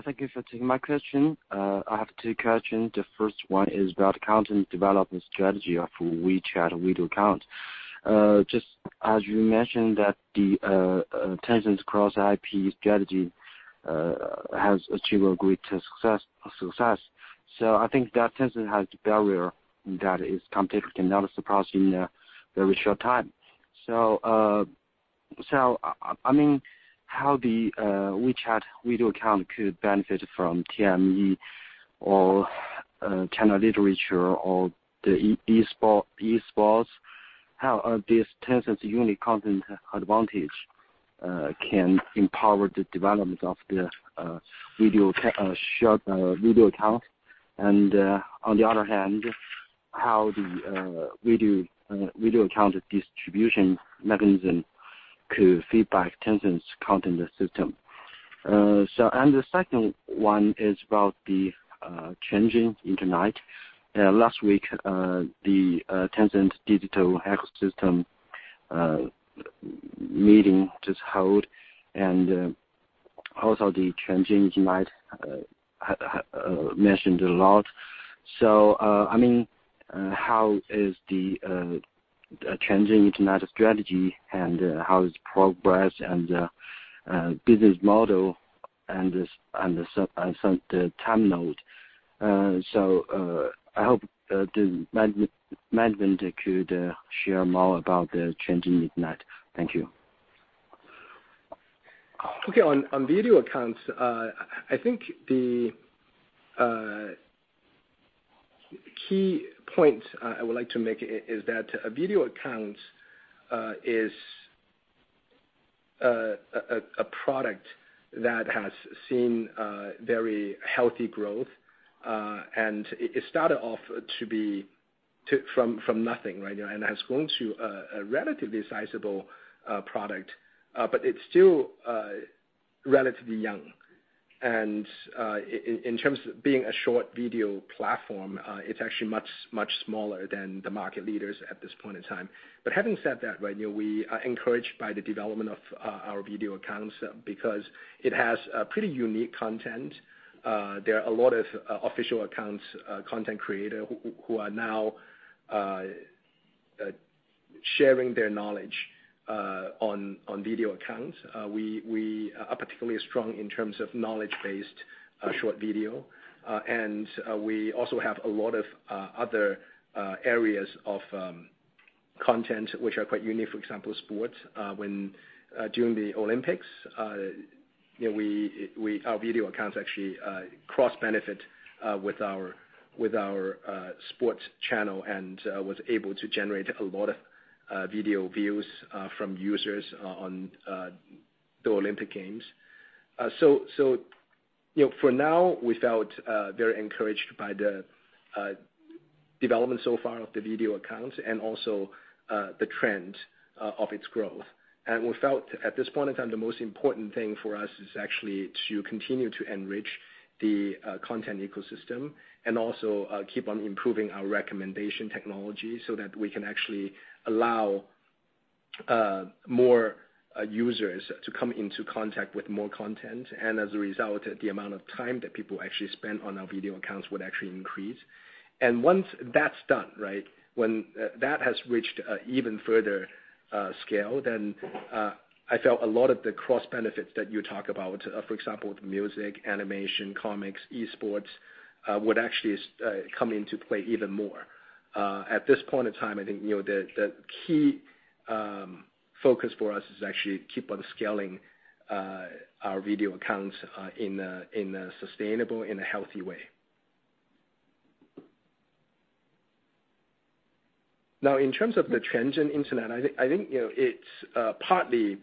Thank you for taking my question. I have two questions. The first one is about content development strategy of WeChat Video Account. Just as you mentioned that Tencent's cross IP strategy has achieved a great success. I think that Tencent has the barrier that competitors cannot surpass in a very short time. I mean, how the WeChat Video Account could benefit from TME or China Literature or the esports? How this Tencent's unique content advantage can empower the development of the short video account? And on the other hand, how the video account distribution mechanism could feedback Tencent's content system? And the second one is about the changing Internet. Last week, the Tencent Digital Ecosystem meeting was just held, and also the Industrial Internet has been mentioned a lot. I mean, how is the Industrial Internet strategy and how it's progressed and business model and the time node. I hope the management could share more about the Industrial Internet. Thank you. Okay. On Video Accounts, I think the key point I would like to make is that a Video Account is a product that has seen very healthy growth. It started off from nothing, right? It has grown to a relatively sizable product. But it's still relatively young. In terms of being a short video platform, it's actually much smaller than the market leaders at this point in time. Having said that, right, you know, we are encouraged by the development of our Video Accounts because it has a pretty unique content. There are a lot of Official Accounts content creators who are now Sharing their knowledge on Video Accounts. We are particularly strong in terms of knowledge-based short video. We also have a lot of other areas of content which are quite unique. For example, sports. During the Olympics, you know, our Video Accounts actually cross benefit with our sports channel and was able to generate a lot of video views from users on the Olympic Games. You know, for now, we felt very encouraged by the development so far of the Video Accounts and also the trend of its growth. We felt at this point in time, the most important thing for us is actually to continue to enrich the content ecosystem and also keep on improving our recommendation technology so that we can actually allow more users to come into contact with more content. As a result, the amount of time that people actually spend on our Video Accounts would actually increase. Once that's done, right, when that has reached even further scale, then I felt a lot of the cross benefits that you talk about, for example, music, animation, comics, esports, would actually come into play even more. At this point in time, I think, you know, the key focus for us is actually keep on scaling our Video Accounts in a sustainable and a healthy way. Now, in terms of the Industrial Internet, I think you know it's partly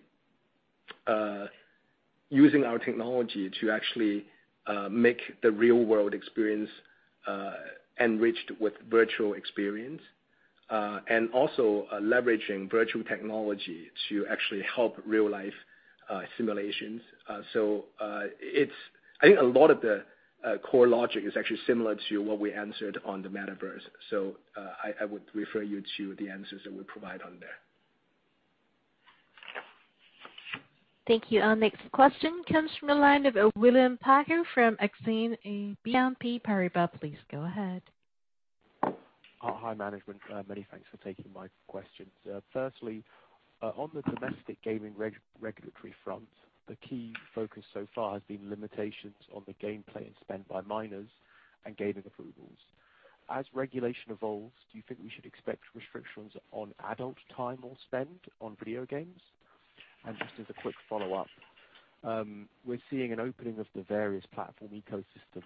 using our technology to actually make the real world experience enriched with virtual experience and also leveraging virtual technology to actually help real life simulations. I think a lot of the core logic is actually similar to what we answered on the Metaverse. I would refer you to the answers that we provide on there. Thank you. Our next question comes from the line of William Packer from Exane BNP Paribas. Please go ahead. Hi, management. Many thanks for taking my questions. Firstly, on the domestic gaming regulatory front, the key focus so far has been limitations on the gameplay and spend by minors and gaming approvals. As regulation evolves, do you think we should expect restrictions on adult time or spend on video games? Just as a quick follow-up, we're seeing an opening of the various platform ecosystem,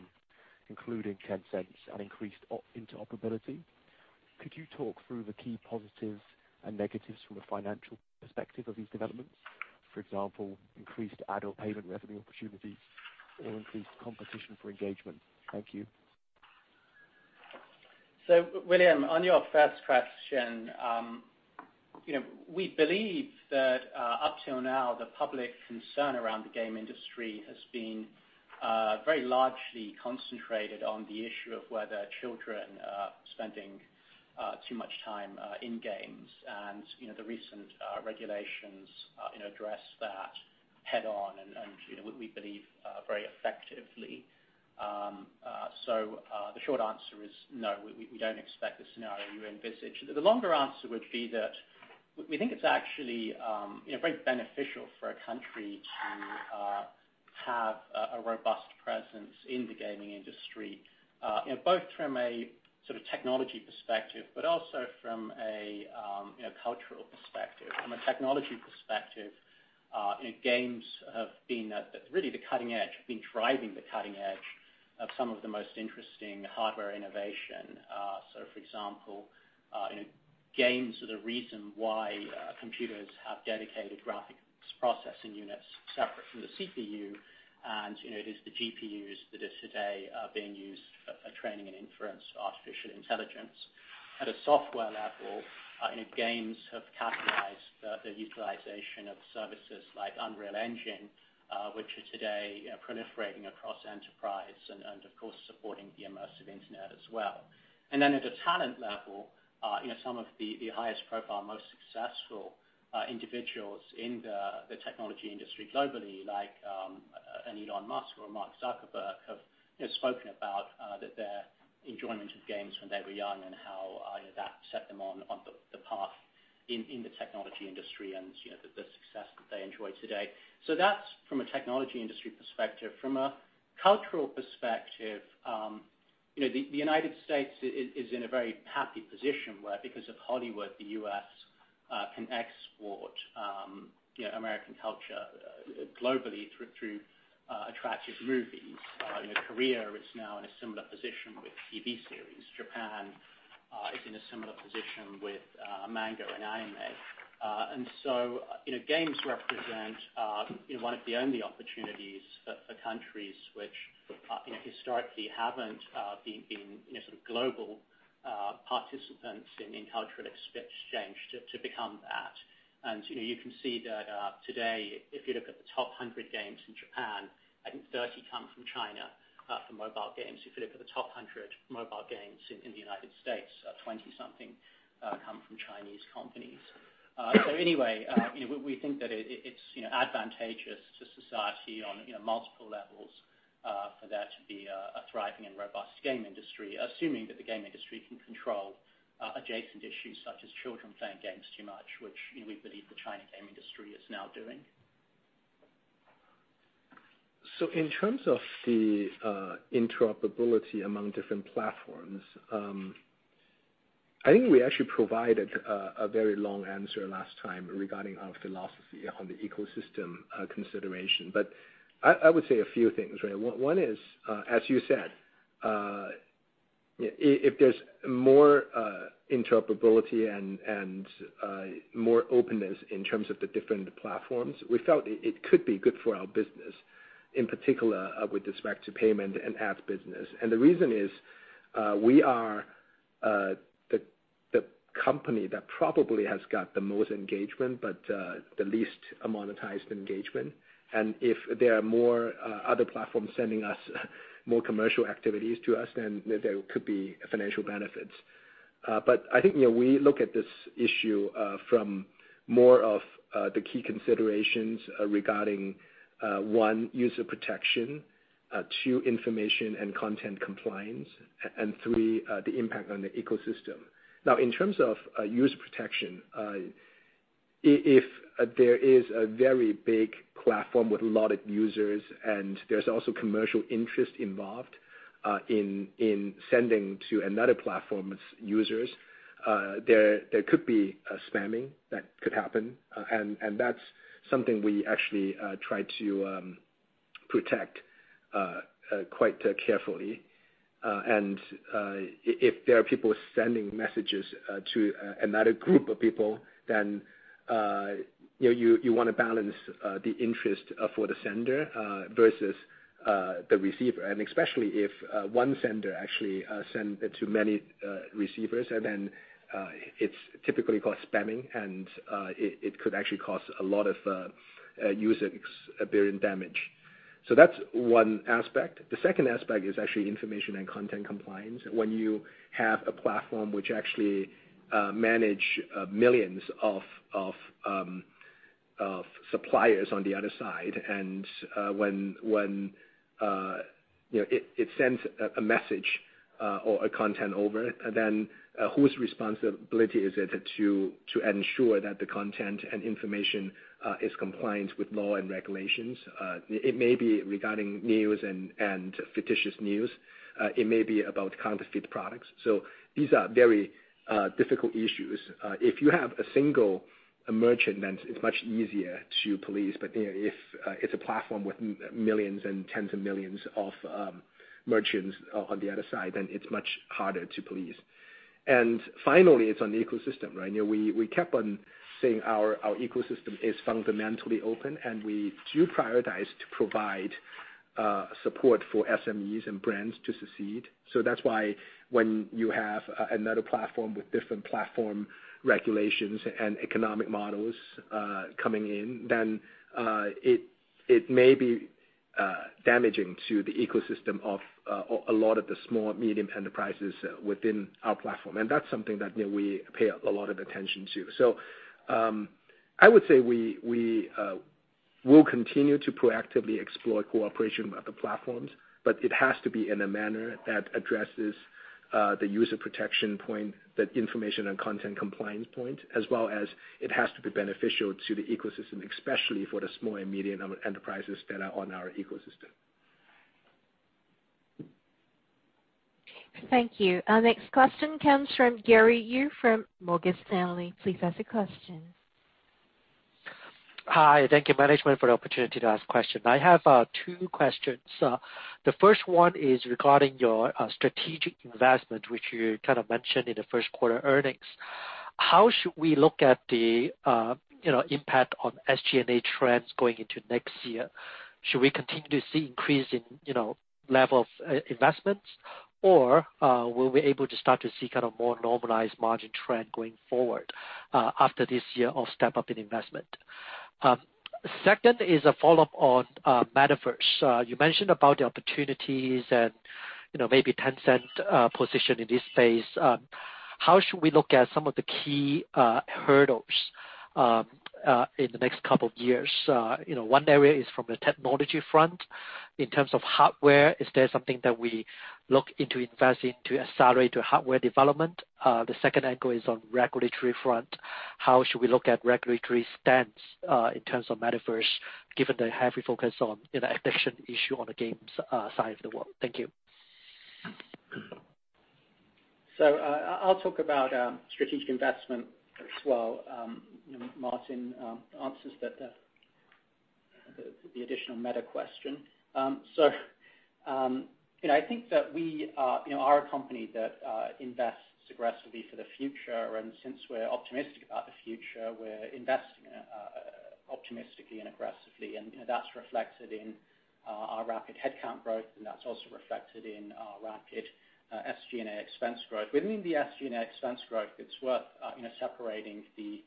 including Tencent's, and increased interoperability. Could you talk through the key positives and negatives from a financial perspective of these developments? For example, increased adult payment revenue opportunities or increased competition for engagement. Thank you. William, on your first question, you know, we believe that, up till now, the public concern around the game industry has been, very largely concentrated on the issue of whether children are spending, too much time, in games. You know, the recent regulations, you know, address that head on and, you know, we don't expect the scenario you envisage. The longer answer would be that we think it's actually, you know, very beneficial for a country to, have a robust presence in the gaming industry, you know, both from a sort of technology perspective, but also from a, you know, cultural perspective. From a technology perspective, you know, games have been at the cutting edge, driving the cutting edge of some of the most interesting hardware innovation. For example, you know, games are the reason why computers have dedicated graphics processing units separate from the CPU. You know, it is the GPUs that are today being used for training and inference in artificial intelligence. At a software level, you know, games have catalyzed the utilization of services like Unreal Engine, which are today, you know, proliferating across enterprise and of course, supporting the immersive internet as well. At a talent level, you know, some of the highest profile, most successful individuals in the technology industry globally, like an Elon Musk or a Mark Zuckerberg, have, you know, spoken about their enjoyment of games when they were young and how, you know, that set them on the path in the technology industry and, you know, the success that they enjoy today. That's from a technology industry perspective. From a cultural perspective, you know, the United States is in a very happy position where because of Hollywood, the U.S. can export, you know, American culture globally through attractive movies. You know, Korea is now in a similar position with TV series. Japan is in a similar position with manga and anime. Games represent, you know, one of the only opportunities for countries which, you know, historically haven't been, you know, sort of global participants in cultural exchange to become that. You know, you can see that today, if you look at the top 100 games in Japan, I think 30 come from China, from mobile games. If you look at the top 100 mobile games in the United States, 20-something come from Chinese companies. You know, we think that it's, you know, advantageous to society on, you know, multiple levels. For that to be a thriving and robust game industry, assuming that the game industry can control adjacent issues such as children playing games too much, which, you know, we believe the China game industry is now doing. In terms of the interoperability among different platforms, I think we actually provided a very long answer last time regarding our philosophy on the ecosystem consideration. I would say a few things, right? One is, as you said, if there's more interoperability and more openness in terms of the different platforms, we felt it could be good for our business, in particular, with respect to payment and ads business. The reason is, we are the company that probably has got the most engagement, but the least monetized engagement. If there are more other platforms sending us more commercial activities to us, then there could be financial benefits. I think, you know, we look at this issue from more of the key considerations regarding one, user protection, two, information and content compliance, and three, the impact on the ecosystem. Now, in terms of user protection, if there is a very big platform with a lot of users and there's also commercial interest involved in sending to another platform's users, there could be a spamming that could happen, and that's something we actually try to protect quite carefully. If there are people sending messages to another group of people, then you know, you wanna balance the interest for the sender versus the receiver. Especially if one sender actually sends to many receivers, and then it's typically called spamming, and it could actually cause a lot of users bearing damage. That's one aspect. The second aspect is actually information and content compliance. When you have a platform which actually manages millions of suppliers on the other side, and when you know it sends a message or a content over, then whose responsibility is it to ensure that the content and information is compliant with law and regulations? It may be regarding news and fictitious news. It may be about counterfeit products. These are very difficult issues. If you have a single merchant, then it's much easier to police. You know, if it's a platform with millions and tens of millions of merchants on the other side, then it's much harder to police. Finally, it's on the ecosystem, right? You know, we kept on saying our ecosystem is fundamentally open, and we do prioritize to provide support for SMEs and brands to succeed. That's why when you have another platform with different platform regulations and economic models coming in, then it may be damaging to the ecosystem of a lot of the small, medium enterprises within our platform. That's something that you know, we pay a lot of attention to. I would say we will continue to proactively explore cooperation with other platforms, but it has to be in a manner that addresses the user protection point, the information and content compliance point, as well as it has to be beneficial to the ecosystem, especially for the small and medium enterprises that are on our ecosystem. Thank you. Our next question comes from Gary Yu from Morgan Stanley. Please ask a question. Hi, thank you, management, for the opportunity to ask a question. I have two questions. The first one is regarding your strategic investment, which you kind of mentioned in the first quarter earnings. How should we look at the, you know, impact on SG&A trends going into next year? Should we continue to see increase in, you know, level of investments? Or, will we be able to start to see kind of more normalized margin trend going forward, after this year of step up in investment? Second is a follow-up on Metaverse. You mentioned about the opportunities and, you know, maybe Tencent position in this space. How should we look at some of the key hurdles in the next couple of years? You know, one area is from a technology front. In terms of hardware, is there something that we look into investing to accelerate hardware development? The second angle is on regulatory front. How should we look at regulatory stance, in terms of Metaverse, given the heavy focus on, you know, addiction issue on the games, side of the world? Thank you. I'll talk about strategic investment as well. Martin answers the additional Meta question. You know, I think that we are a company that invests aggressively for the future. Since we're optimistic about the future, we're investing optimistically and aggressively. You know, that's reflected in our rapid headcount growth, and that's also reflected in our rapid SG&A expense growth. Within the SG&A expense growth, it's worth you know separating the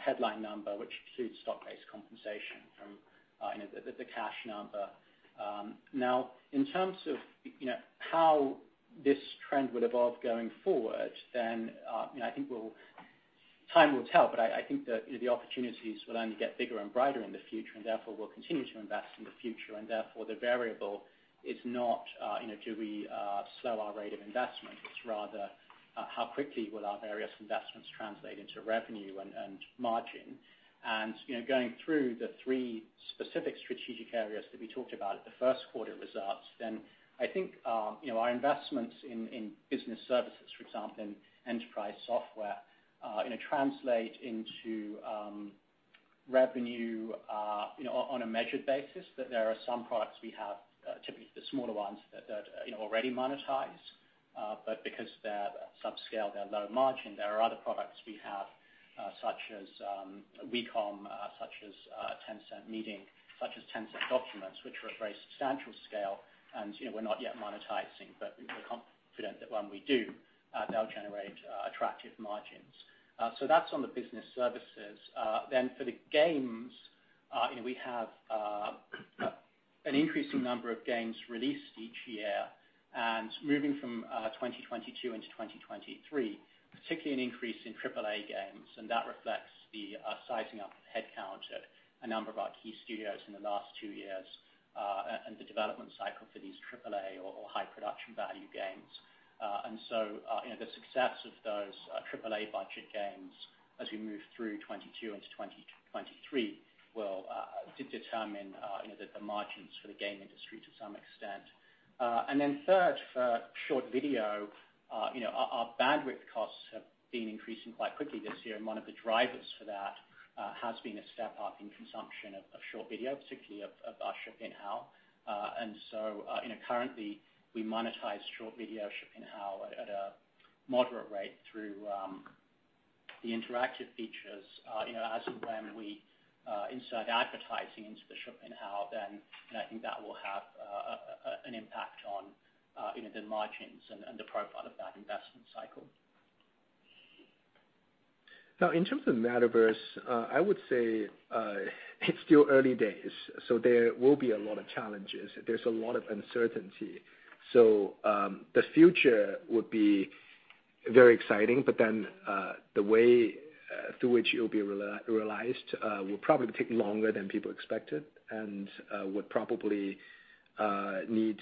headline number, which includes stock-based compensation from you know the cash number. Now in terms of, you know, how this trend would evolve going forward, then, you know, I think Time will tell, but I think the opportunities will only get bigger and brighter in the future, and therefore we'll continue to invest in the future. Therefore, the variable is not, you know, do we slow our rate of investment? It's rather, how quickly will our various investments translate into revenue and margin. You know, going through the three specific strategic areas that we talked about at the first quarter results, then I think, you know, our investments in business services, for example, enterprise software, you know, translate into revenue, you know, on a measured basis. There are some products we have, typically the smaller ones that you know already monetize. Because they're subscale, they're low margin, there are other products we have, such as WeCom, such as Tencent Meeting, such as Tencent Docs, which are a very substantial scale and, you know, we're not yet monetizing. We're confident that when we do, they'll generate attractive margins. That's on the business services. For the games, you know, we have an increasing number of games released each year. Moving from 2022 into 2023, particularly an increase in triple-A games, and that reflects the sizing up of headcount at a number of our key studios in the last two years, and the development cycle for these triple-A or high production value games. You know, the success of those triple-A budget games as we move through 2022 into 2023 will determine the margins for the game industry to some extent. Third, for short video, our bandwidth costs have been increasing quite quickly this year, and one of the drivers for that has been a step up in consumption of short video, particularly of our Video Accounts. Currently, we monetize short video Video Accounts at a moderate rate through the interactive features. As and when we insert advertising into the Video Accounts, then I think that will have an impact on the margins and the profile of that investment cycle. Now, in terms of Metaverse, I would say, it's still early days, so there will be a lot of challenges. There's a lot of uncertainty. The future would be very exciting, but then, the way through which it will be realized will probably take longer than people expected and would probably need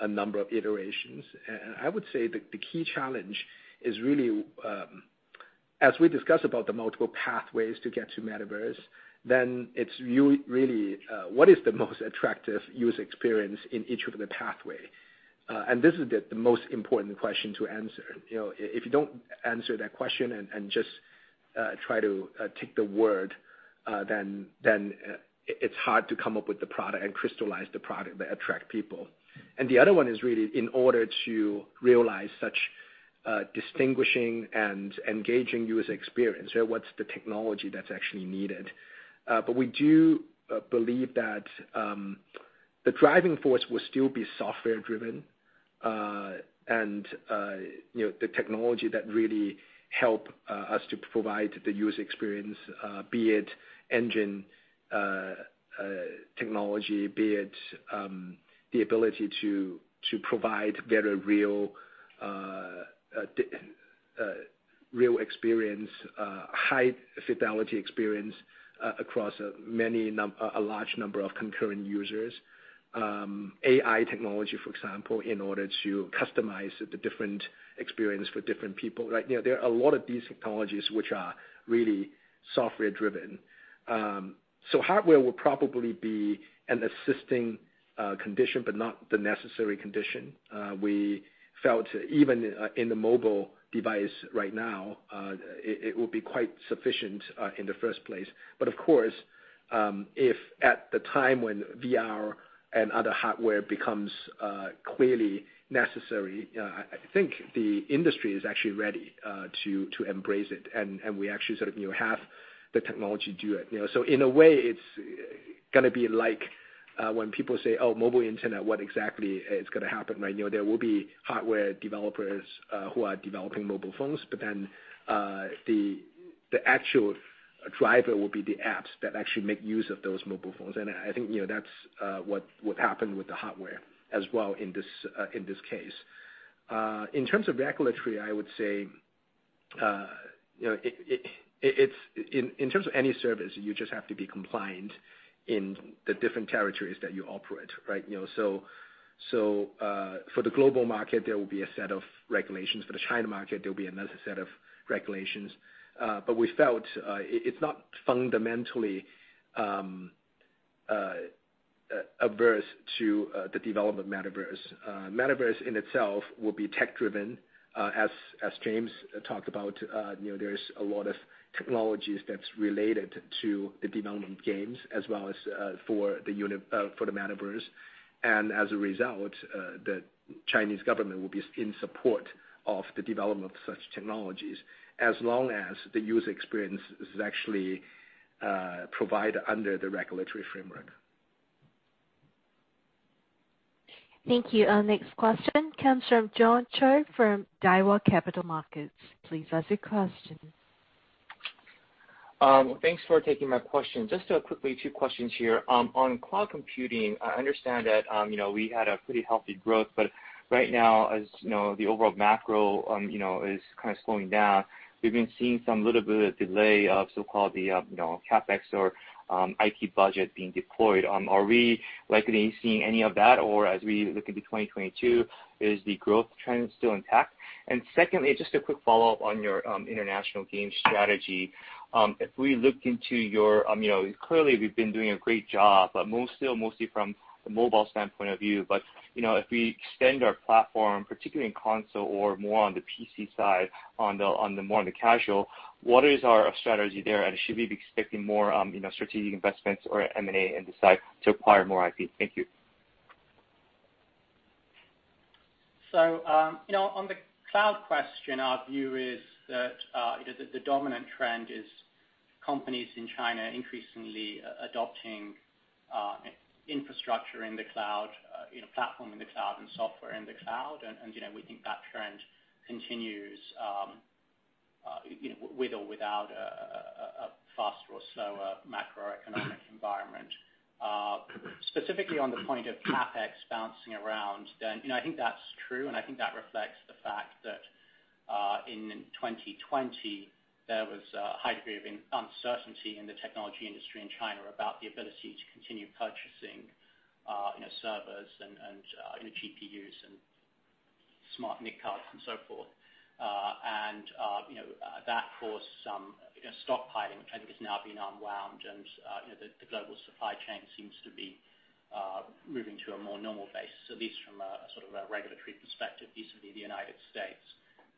a number of iterations. I would say that the key challenge is really, as we discuss about the multiple pathways to get to Metaverse, then it's really, what is the most attractive user experience in each of the pathway? And this is the most important question to answer. You know, if you don't answer that question and just try to take the world, then it's hard to come up with the product and crystallize the product that attract people. The other one is really in order to realize such distinguishing and engaging user experience, so what's the technology that's actually needed? We do believe that the driving force will still be software driven, and you know, the technology that really help us to provide the user experience, be it engine technology, be it the ability to provide very real experience, high fidelity experience across a large number of concurrent users. AI technology, for example, in order to customize the different experience for different people. Like, you know, there are a lot of these technologies which are really software driven. So hardware will probably be an assisting condition, but not the necessary condition. We felt even in the mobile device right now, it will be quite sufficient in the first place. But of course, if at the time when VR and other hardware becomes clearly necessary, I think the industry is actually ready to embrace it. We actually sort of have the technology to do it. You know, so in a way, it's gonna be like when people say, "Oh, mobile internet, what exactly is gonna happen?" You know, there will be hardware developers who are developing mobile phones, but then the actual driver will be the apps that actually make use of those mobile phones. I think, you know, that's what happened with the hardware as well in this case. In terms of regulatory, I would say in terms of any service, you just have to be compliant in the different territories that you operate, right? For the global market, there will be a set of regulations. For the China market, there will be another set of regulations. We felt it's not fundamentally averse to the development of Metaverse. Metaverse in itself will be tech-driven. As James talked about, you know, there is a lot of technologies that's related to the development of games as well as for the Metaverse. As a result, the Chinese government will be in support of the development of such technologies as long as the user experience is actually provided under the regulatory framework. Thank you. Our next question comes from John Choi from Daiwa Capital Markets. Please ask your question. Thanks for taking my question. Just quickly two questions here. On cloud computing, I understand that you know, we had a pretty healthy growth, but right now as you know, the overall macro you know, is kind of slowing down, we've been seeing some little bit of delay of so-called the you know, CapEx or IT budget being deployed. Are we likely seeing any of that? Or as we look into 2022, is the growth trend still intact? Secondly, just a quick follow-up on your international game strategy. If we look into your you know, clearly we've been doing a great job, but mostly from a mobile standpoint of view. You know, if we extend our platform, particularly in console or more on the PC side, more on the casual, what is our strategy there? Should we be expecting more, you know, strategic investments or M&A in this side to acquire more IP? Thank you. You know, on the cloud question, our view is that, you know, the dominant trend is companies in China increasingly adopting, you know, infrastructure in the cloud, you know, platform in the cloud and software in the cloud. You know, we think that trend continues, you know, with or without a faster or slower macroeconomic environment. Specifically on the point of CapEx bouncing around, then, you know, I think that's true, and I think that reflects the fact that, in 2020, there was a high degree of uncertainty in the technology industry in China about the ability to continue purchasing, you know, servers and, you know, GPUs and smart NIC cards and so forth. That caused some, you know, stockpiling, which I think has now been unwound. You know, the global supply chain seems to be moving to a more normal base, at least from a sort of a regulatory perspective, vis-à-vis the United States.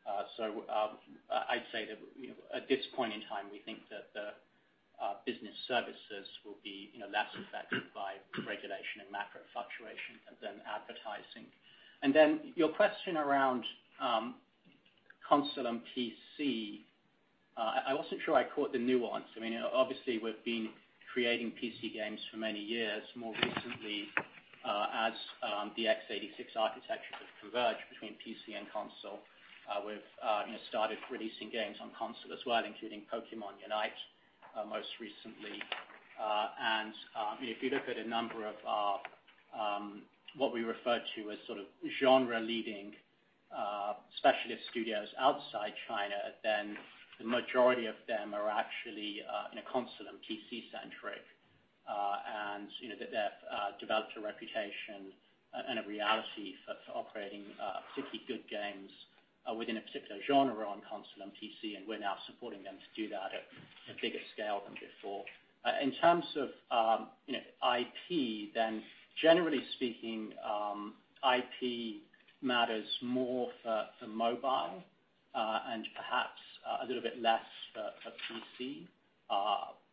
I'd say that, you know, at this point in time, we think that the business services will be, you know, less affected by regulation and macro fluctuations than advertising. Your question around console and PC, I wasn't sure I caught the nuance. I mean, obviously we've been creating PC games for many years. More recently, as the x86 architectures have converged between PC and console, we've, you know, started releasing games on console as well, including Pokémon UNITE, most recently. If you look at a number of our what we refer to as sort of genre leading specialist studios outside China, then the majority of them are actually, you know, console and PC centric. You know, they've developed a reputation and a reality for operating particularly good games within a particular genre on console and PC, and we're now supporting them to do that at a bigger scale than before. In terms of, you know, IP, then generally speaking, IP matters more for mobile, and perhaps a little bit less for PC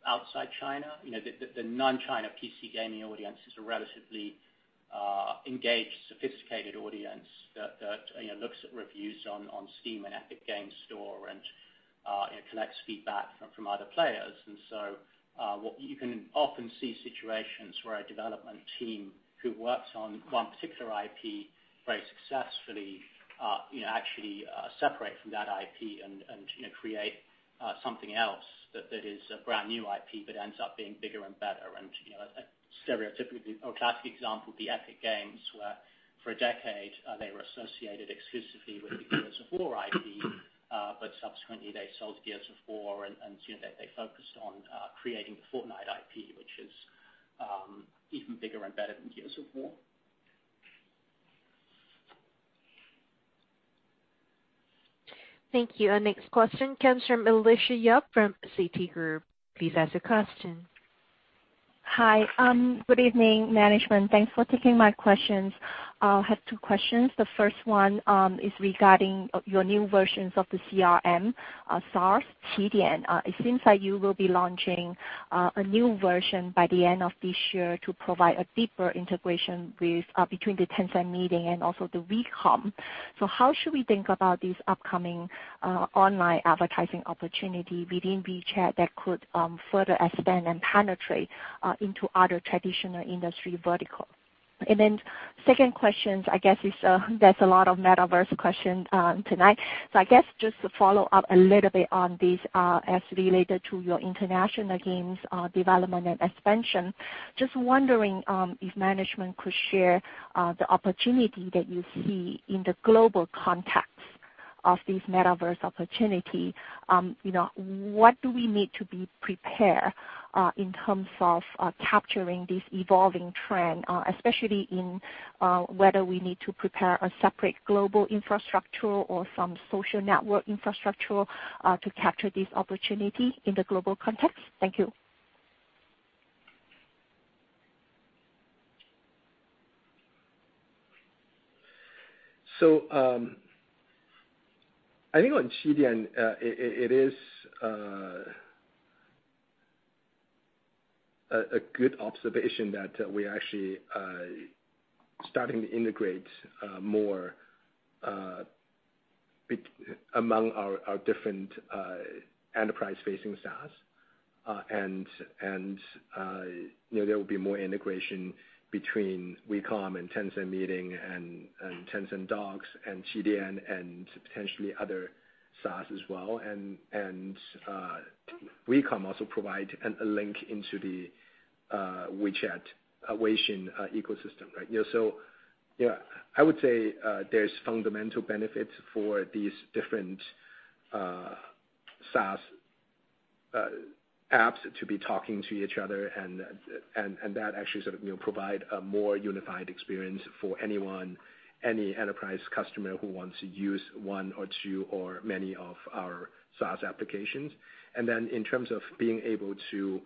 outside China. You know, the non-China PC gaming audience is a relatively engaged, sophisticated audience that you know, looks at reviews on Steam and Epic Games Store and you know, collects feedback from other players. What you can often see situations where a development team who works on one particular IP very successfully you know, actually separate from that IP and you know, create something else that is a brand new IP, but ends up being bigger and better. You know, a stereotypically or classic example would be Epic Games, where for a decade they were associated exclusively with the Gears of War IP, but subsequently they sold Gears of War and you know they focused on creating the Fortnite IP, which is even bigger and better than Gears of War. Thank you. Our next question comes from Alicia Yap from Citi. Please ask your question. Hi. Good evening, management. Thanks for taking my questions. I'll have two questions. The first one is regarding your new versions of the CRM, SaaS, QiDian. It seems like you will be launching a new version by the end of this year to provide a deeper integration with between the Tencent Meeting and also the WeCom. How should we think about this upcoming online advertising opportunity within WeChat that could further extend and penetrate into other traditional industry verticals? And then second question, I guess is, there's a lot of Metaverse question tonight. I guess just to follow up a little bit on this, as related to your international games development and expansion, just wondering if management could share the opportunity that you see in the global context of this Metaverse opportunity. You know, what do we need to prepare in terms of capturing this evolving trend, especially in whether we need to prepare a separate global infrastructure or some social network infrastructure to capture this opportunity in the global context? Thank you. I think on QiDian, it is a good observation that we actually starting to integrate more among our different enterprise-facing SaaS. You know, there will be more integration between WeCom and Tencent Meeting and Tencent Docs and QiDian and potentially other SaaS as well. WeCom also provide a link into the WeChat, Weixin ecosystem, right? You know, yeah, I would say, there's fundamental benefits for these different SaaS apps to be talking to each other and that actually sort of, you know, provide a more unified experience for anyone, any enterprise customer who wants to use one or two or many of our SaaS applications. In terms of being able to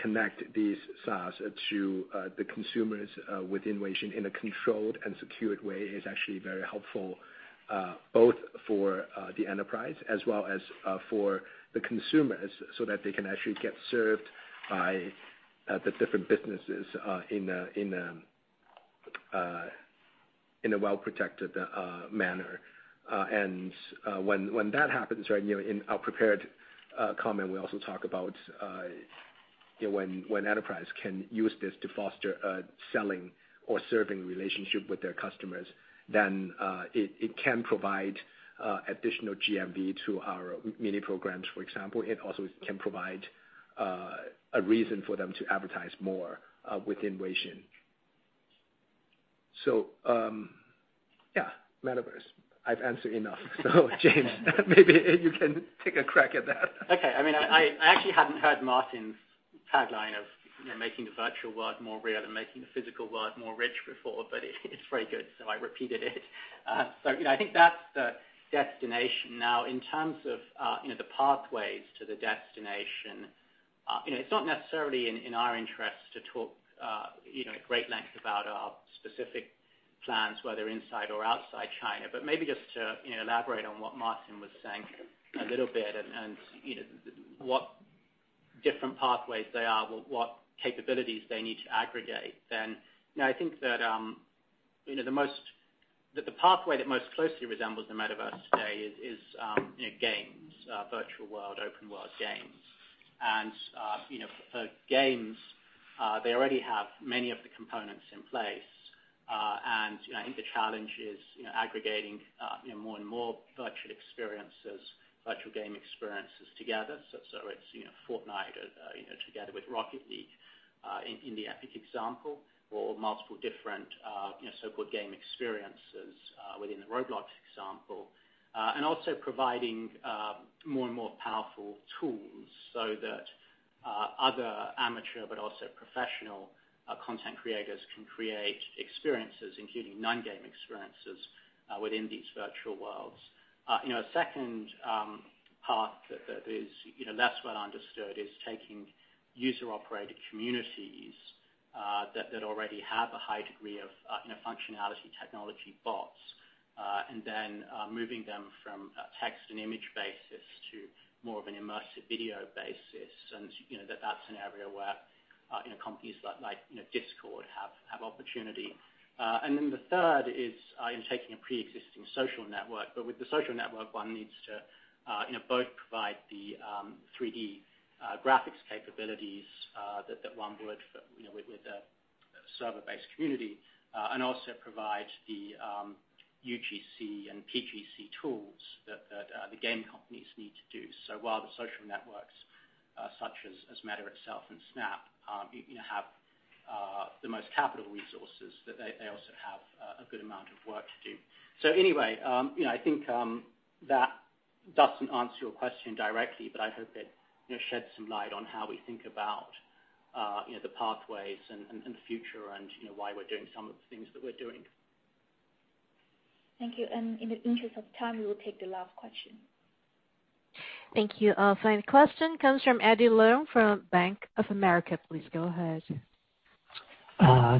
connect these SaaS to the consumers within Weixin in a controlled and secured way is actually very helpful, both for the enterprise as well as for the consumers so that they can actually get served by the different businesses in a well-protected manner. when that happens, right, you know, in our prepared comment, we also talk about, you know, when enterprise can use this to foster a selling or serving relationship with their customers, then, it can provide additional GMV to our mini programs, for example. It also can provide a reason for them to advertise more within Weixin. Yeah, Metaverse, I've answered enough. James, maybe you can take a crack at that. Okay. I mean, I actually hadn't heard Martin's tagline of, you know, making the virtual world more real and making the physical world more rich before, but it's very good, so I repeated it. I think that's the destination. Now, in terms of, you know, the pathways to the destination, you know, it's not necessarily in our interest to talk, you know, at great length about our specific plans, whether inside or outside China. Maybe just to, you know, elaborate on what Martin was saying a little bit and, you know, what different pathways they are, what capabilities they need to aggregate. I think that the pathway that most closely resembles the Metaverse today is, you know, games, virtual world, open world games. You know, for games, they already have many of the components in place. You know, I think the challenge is, you know, aggregating, you know, more and more virtual experiences, virtual game experiences together. So it's, you know, Fortnite, you know, together with Rocket League, in the Epic example, or multiple different, you know, so-called game experiences, within the Roblox example. Also providing, more and more powerful tools so that, other amateur but also professional, content creators can create experiences, including non-game experiences, within these virtual worlds. You know, a second path that is you know less well understood is taking user-operated communities that already have a high degree of you know functionality technology bots and then moving them from a text and image basis to more of an immersive video basis. You know, that's an area where you know companies like you know Discord have opportunity. The third is in taking a pre-existing social network. With the social network, one needs to you know both provide the 3D graphics capabilities that one would you know with a server-based community and also provide the UGC and PGC tools that the game companies need to do. While the social networks such as Meta itself and Snap, you know, have the most capital resources that they also have a good amount of work to do. Anyway, you know, I think that doesn't answer your question directly, but I hope it, you know, sheds some light on how we think about, you know, the pathways and the future and, you know, why we're doing some of the things that we're doing. Thank you. In the interest of time, we will take the last question. Thank you. Final question comes from Eddie Leung from Bank of America. Please go ahead.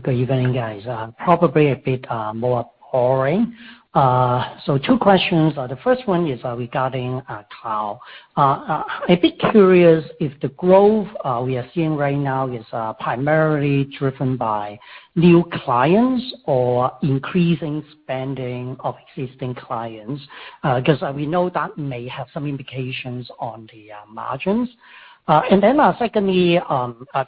Good evening, guys. Probably a bit more pouring. So two questions. The first one is regarding cloud. A bit curious if the growth we are seeing right now is primarily driven by new clients or increasing spending of existing clients. 'Cause we know that may have some indications on the margins. Secondly,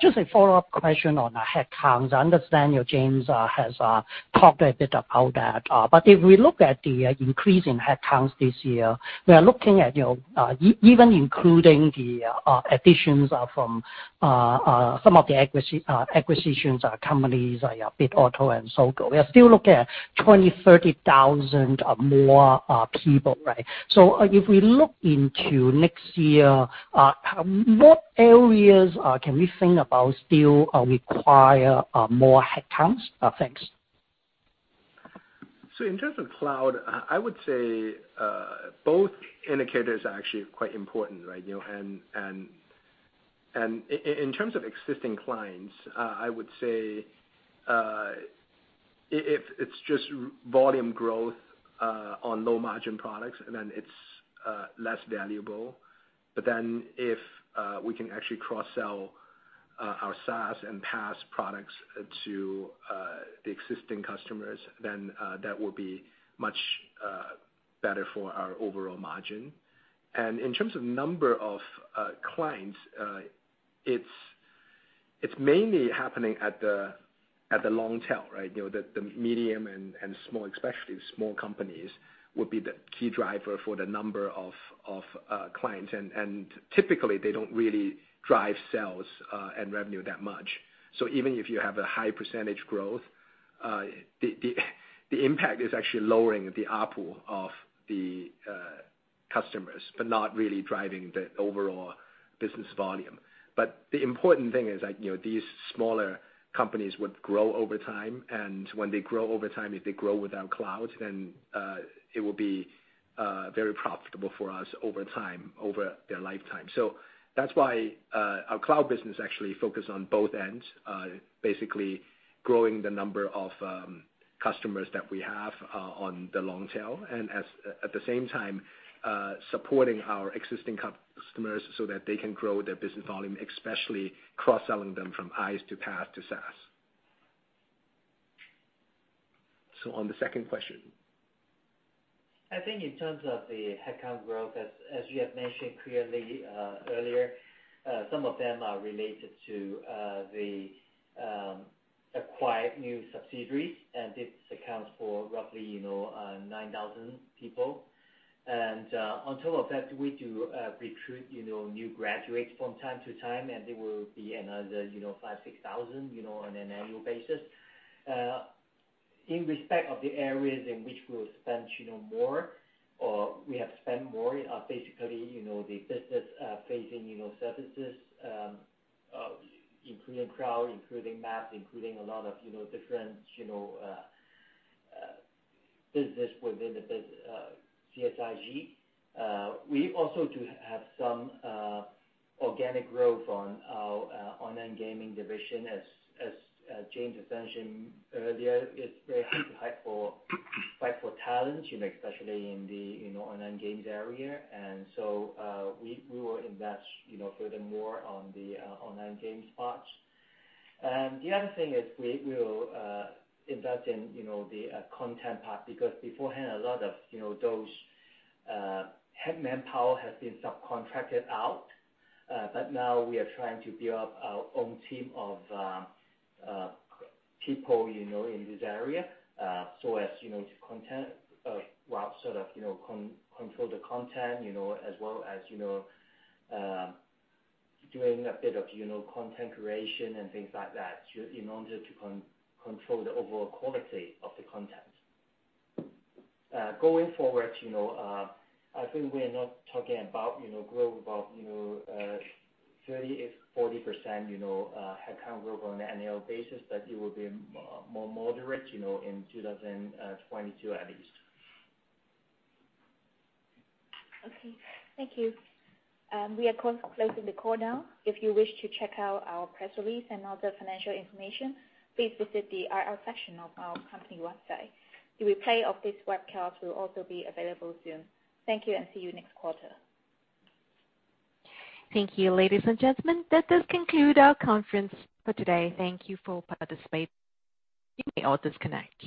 just a follow-up question on the headcounts. I understand James has talked a bit about that. If we look at the increase in headcounts this year, we are looking at, you know, even including the additions from some of the acquisitions, companies like Bitauto and Sogou. We are still looking at 20,000-30,000 or more people, right? If we look into next year, what areas can we think about still require more headcounts? Thanks. In terms of cloud, I would say both indicators are actually quite important, right? You know, in terms of existing clients, I would say if it's just volume growth on low-margin products, then it's less valuable. But if we can actually cross-sell our SaaS and PaaS products to the existing customers, then that will be much better for our overall margin. In terms of number of clients, it's mainly happening at the long tail, right? You know, the medium and small, especially the small companies would be the key driver for the number of clients. Typically, they don't really drive sales and revenue that much. Even if you have a high percentage growth, the impact is actually lowering the output of the customers, but not really driving the overall business volume. But the important thing is that, you know, these smaller companies would grow over time, and when they grow over time, if they grow with our cloud, then it will be very profitable for us over time, over their lifetime. That's why our cloud business actually focus on both ends, basically growing the number of customers that we have on the long tail, and at the same time supporting our existing customers so that they can grow their business volume, especially cross-selling them from IaaS to PaaS to SaaS. On the second question. I think in terms of the headcount growth, as you have mentioned clearly earlier, some of them are related to the acquired new subsidiaries, and this accounts for roughly, you know, 9,000 people. On top of that, we do recruit, you know, new graduates from time to time, and there will be another, you know, 5,000-6,000, you know, on an annual basis. In respect of the areas in which we'll spend, you know, more or we have spent more are basically, you know, the business facing, you know, services, including cloud, including maps, including a lot of, you know, different, you know, business within the CSIG. We also do have some organic growth on our online gaming division. As James has mentioned earlier, it's very hard to fight for talent, you know, especially in the online games area. We will invest, you know, furthermore on the online games part. The other thing is we'll invest in the content part, because beforehand, a lot of those head manpower has been subcontracted out. But now we are trying to build up our own team of people, you know, in this area, so as to control the content, well, sort of, to control the content as well as doing a bit of content creation and things like that in order to control the overall quality of the content. Going forward, you know, I think we're not talking about, you know, growth about 30%, if 40%, you know, headcount growth on an annual basis, but it will be more moderate, you know, in 2022 at least. Okay. Thank you. We are closing the call now. If you wish to check out our press release and other financial information, please visit the IR section of our company website. The replay of this webcast will also be available soon. Thank you, and see you next quarter. Thank you, ladies and gentlemen. That does conclude our conference for today. Thank you for participating. You may all disconnect.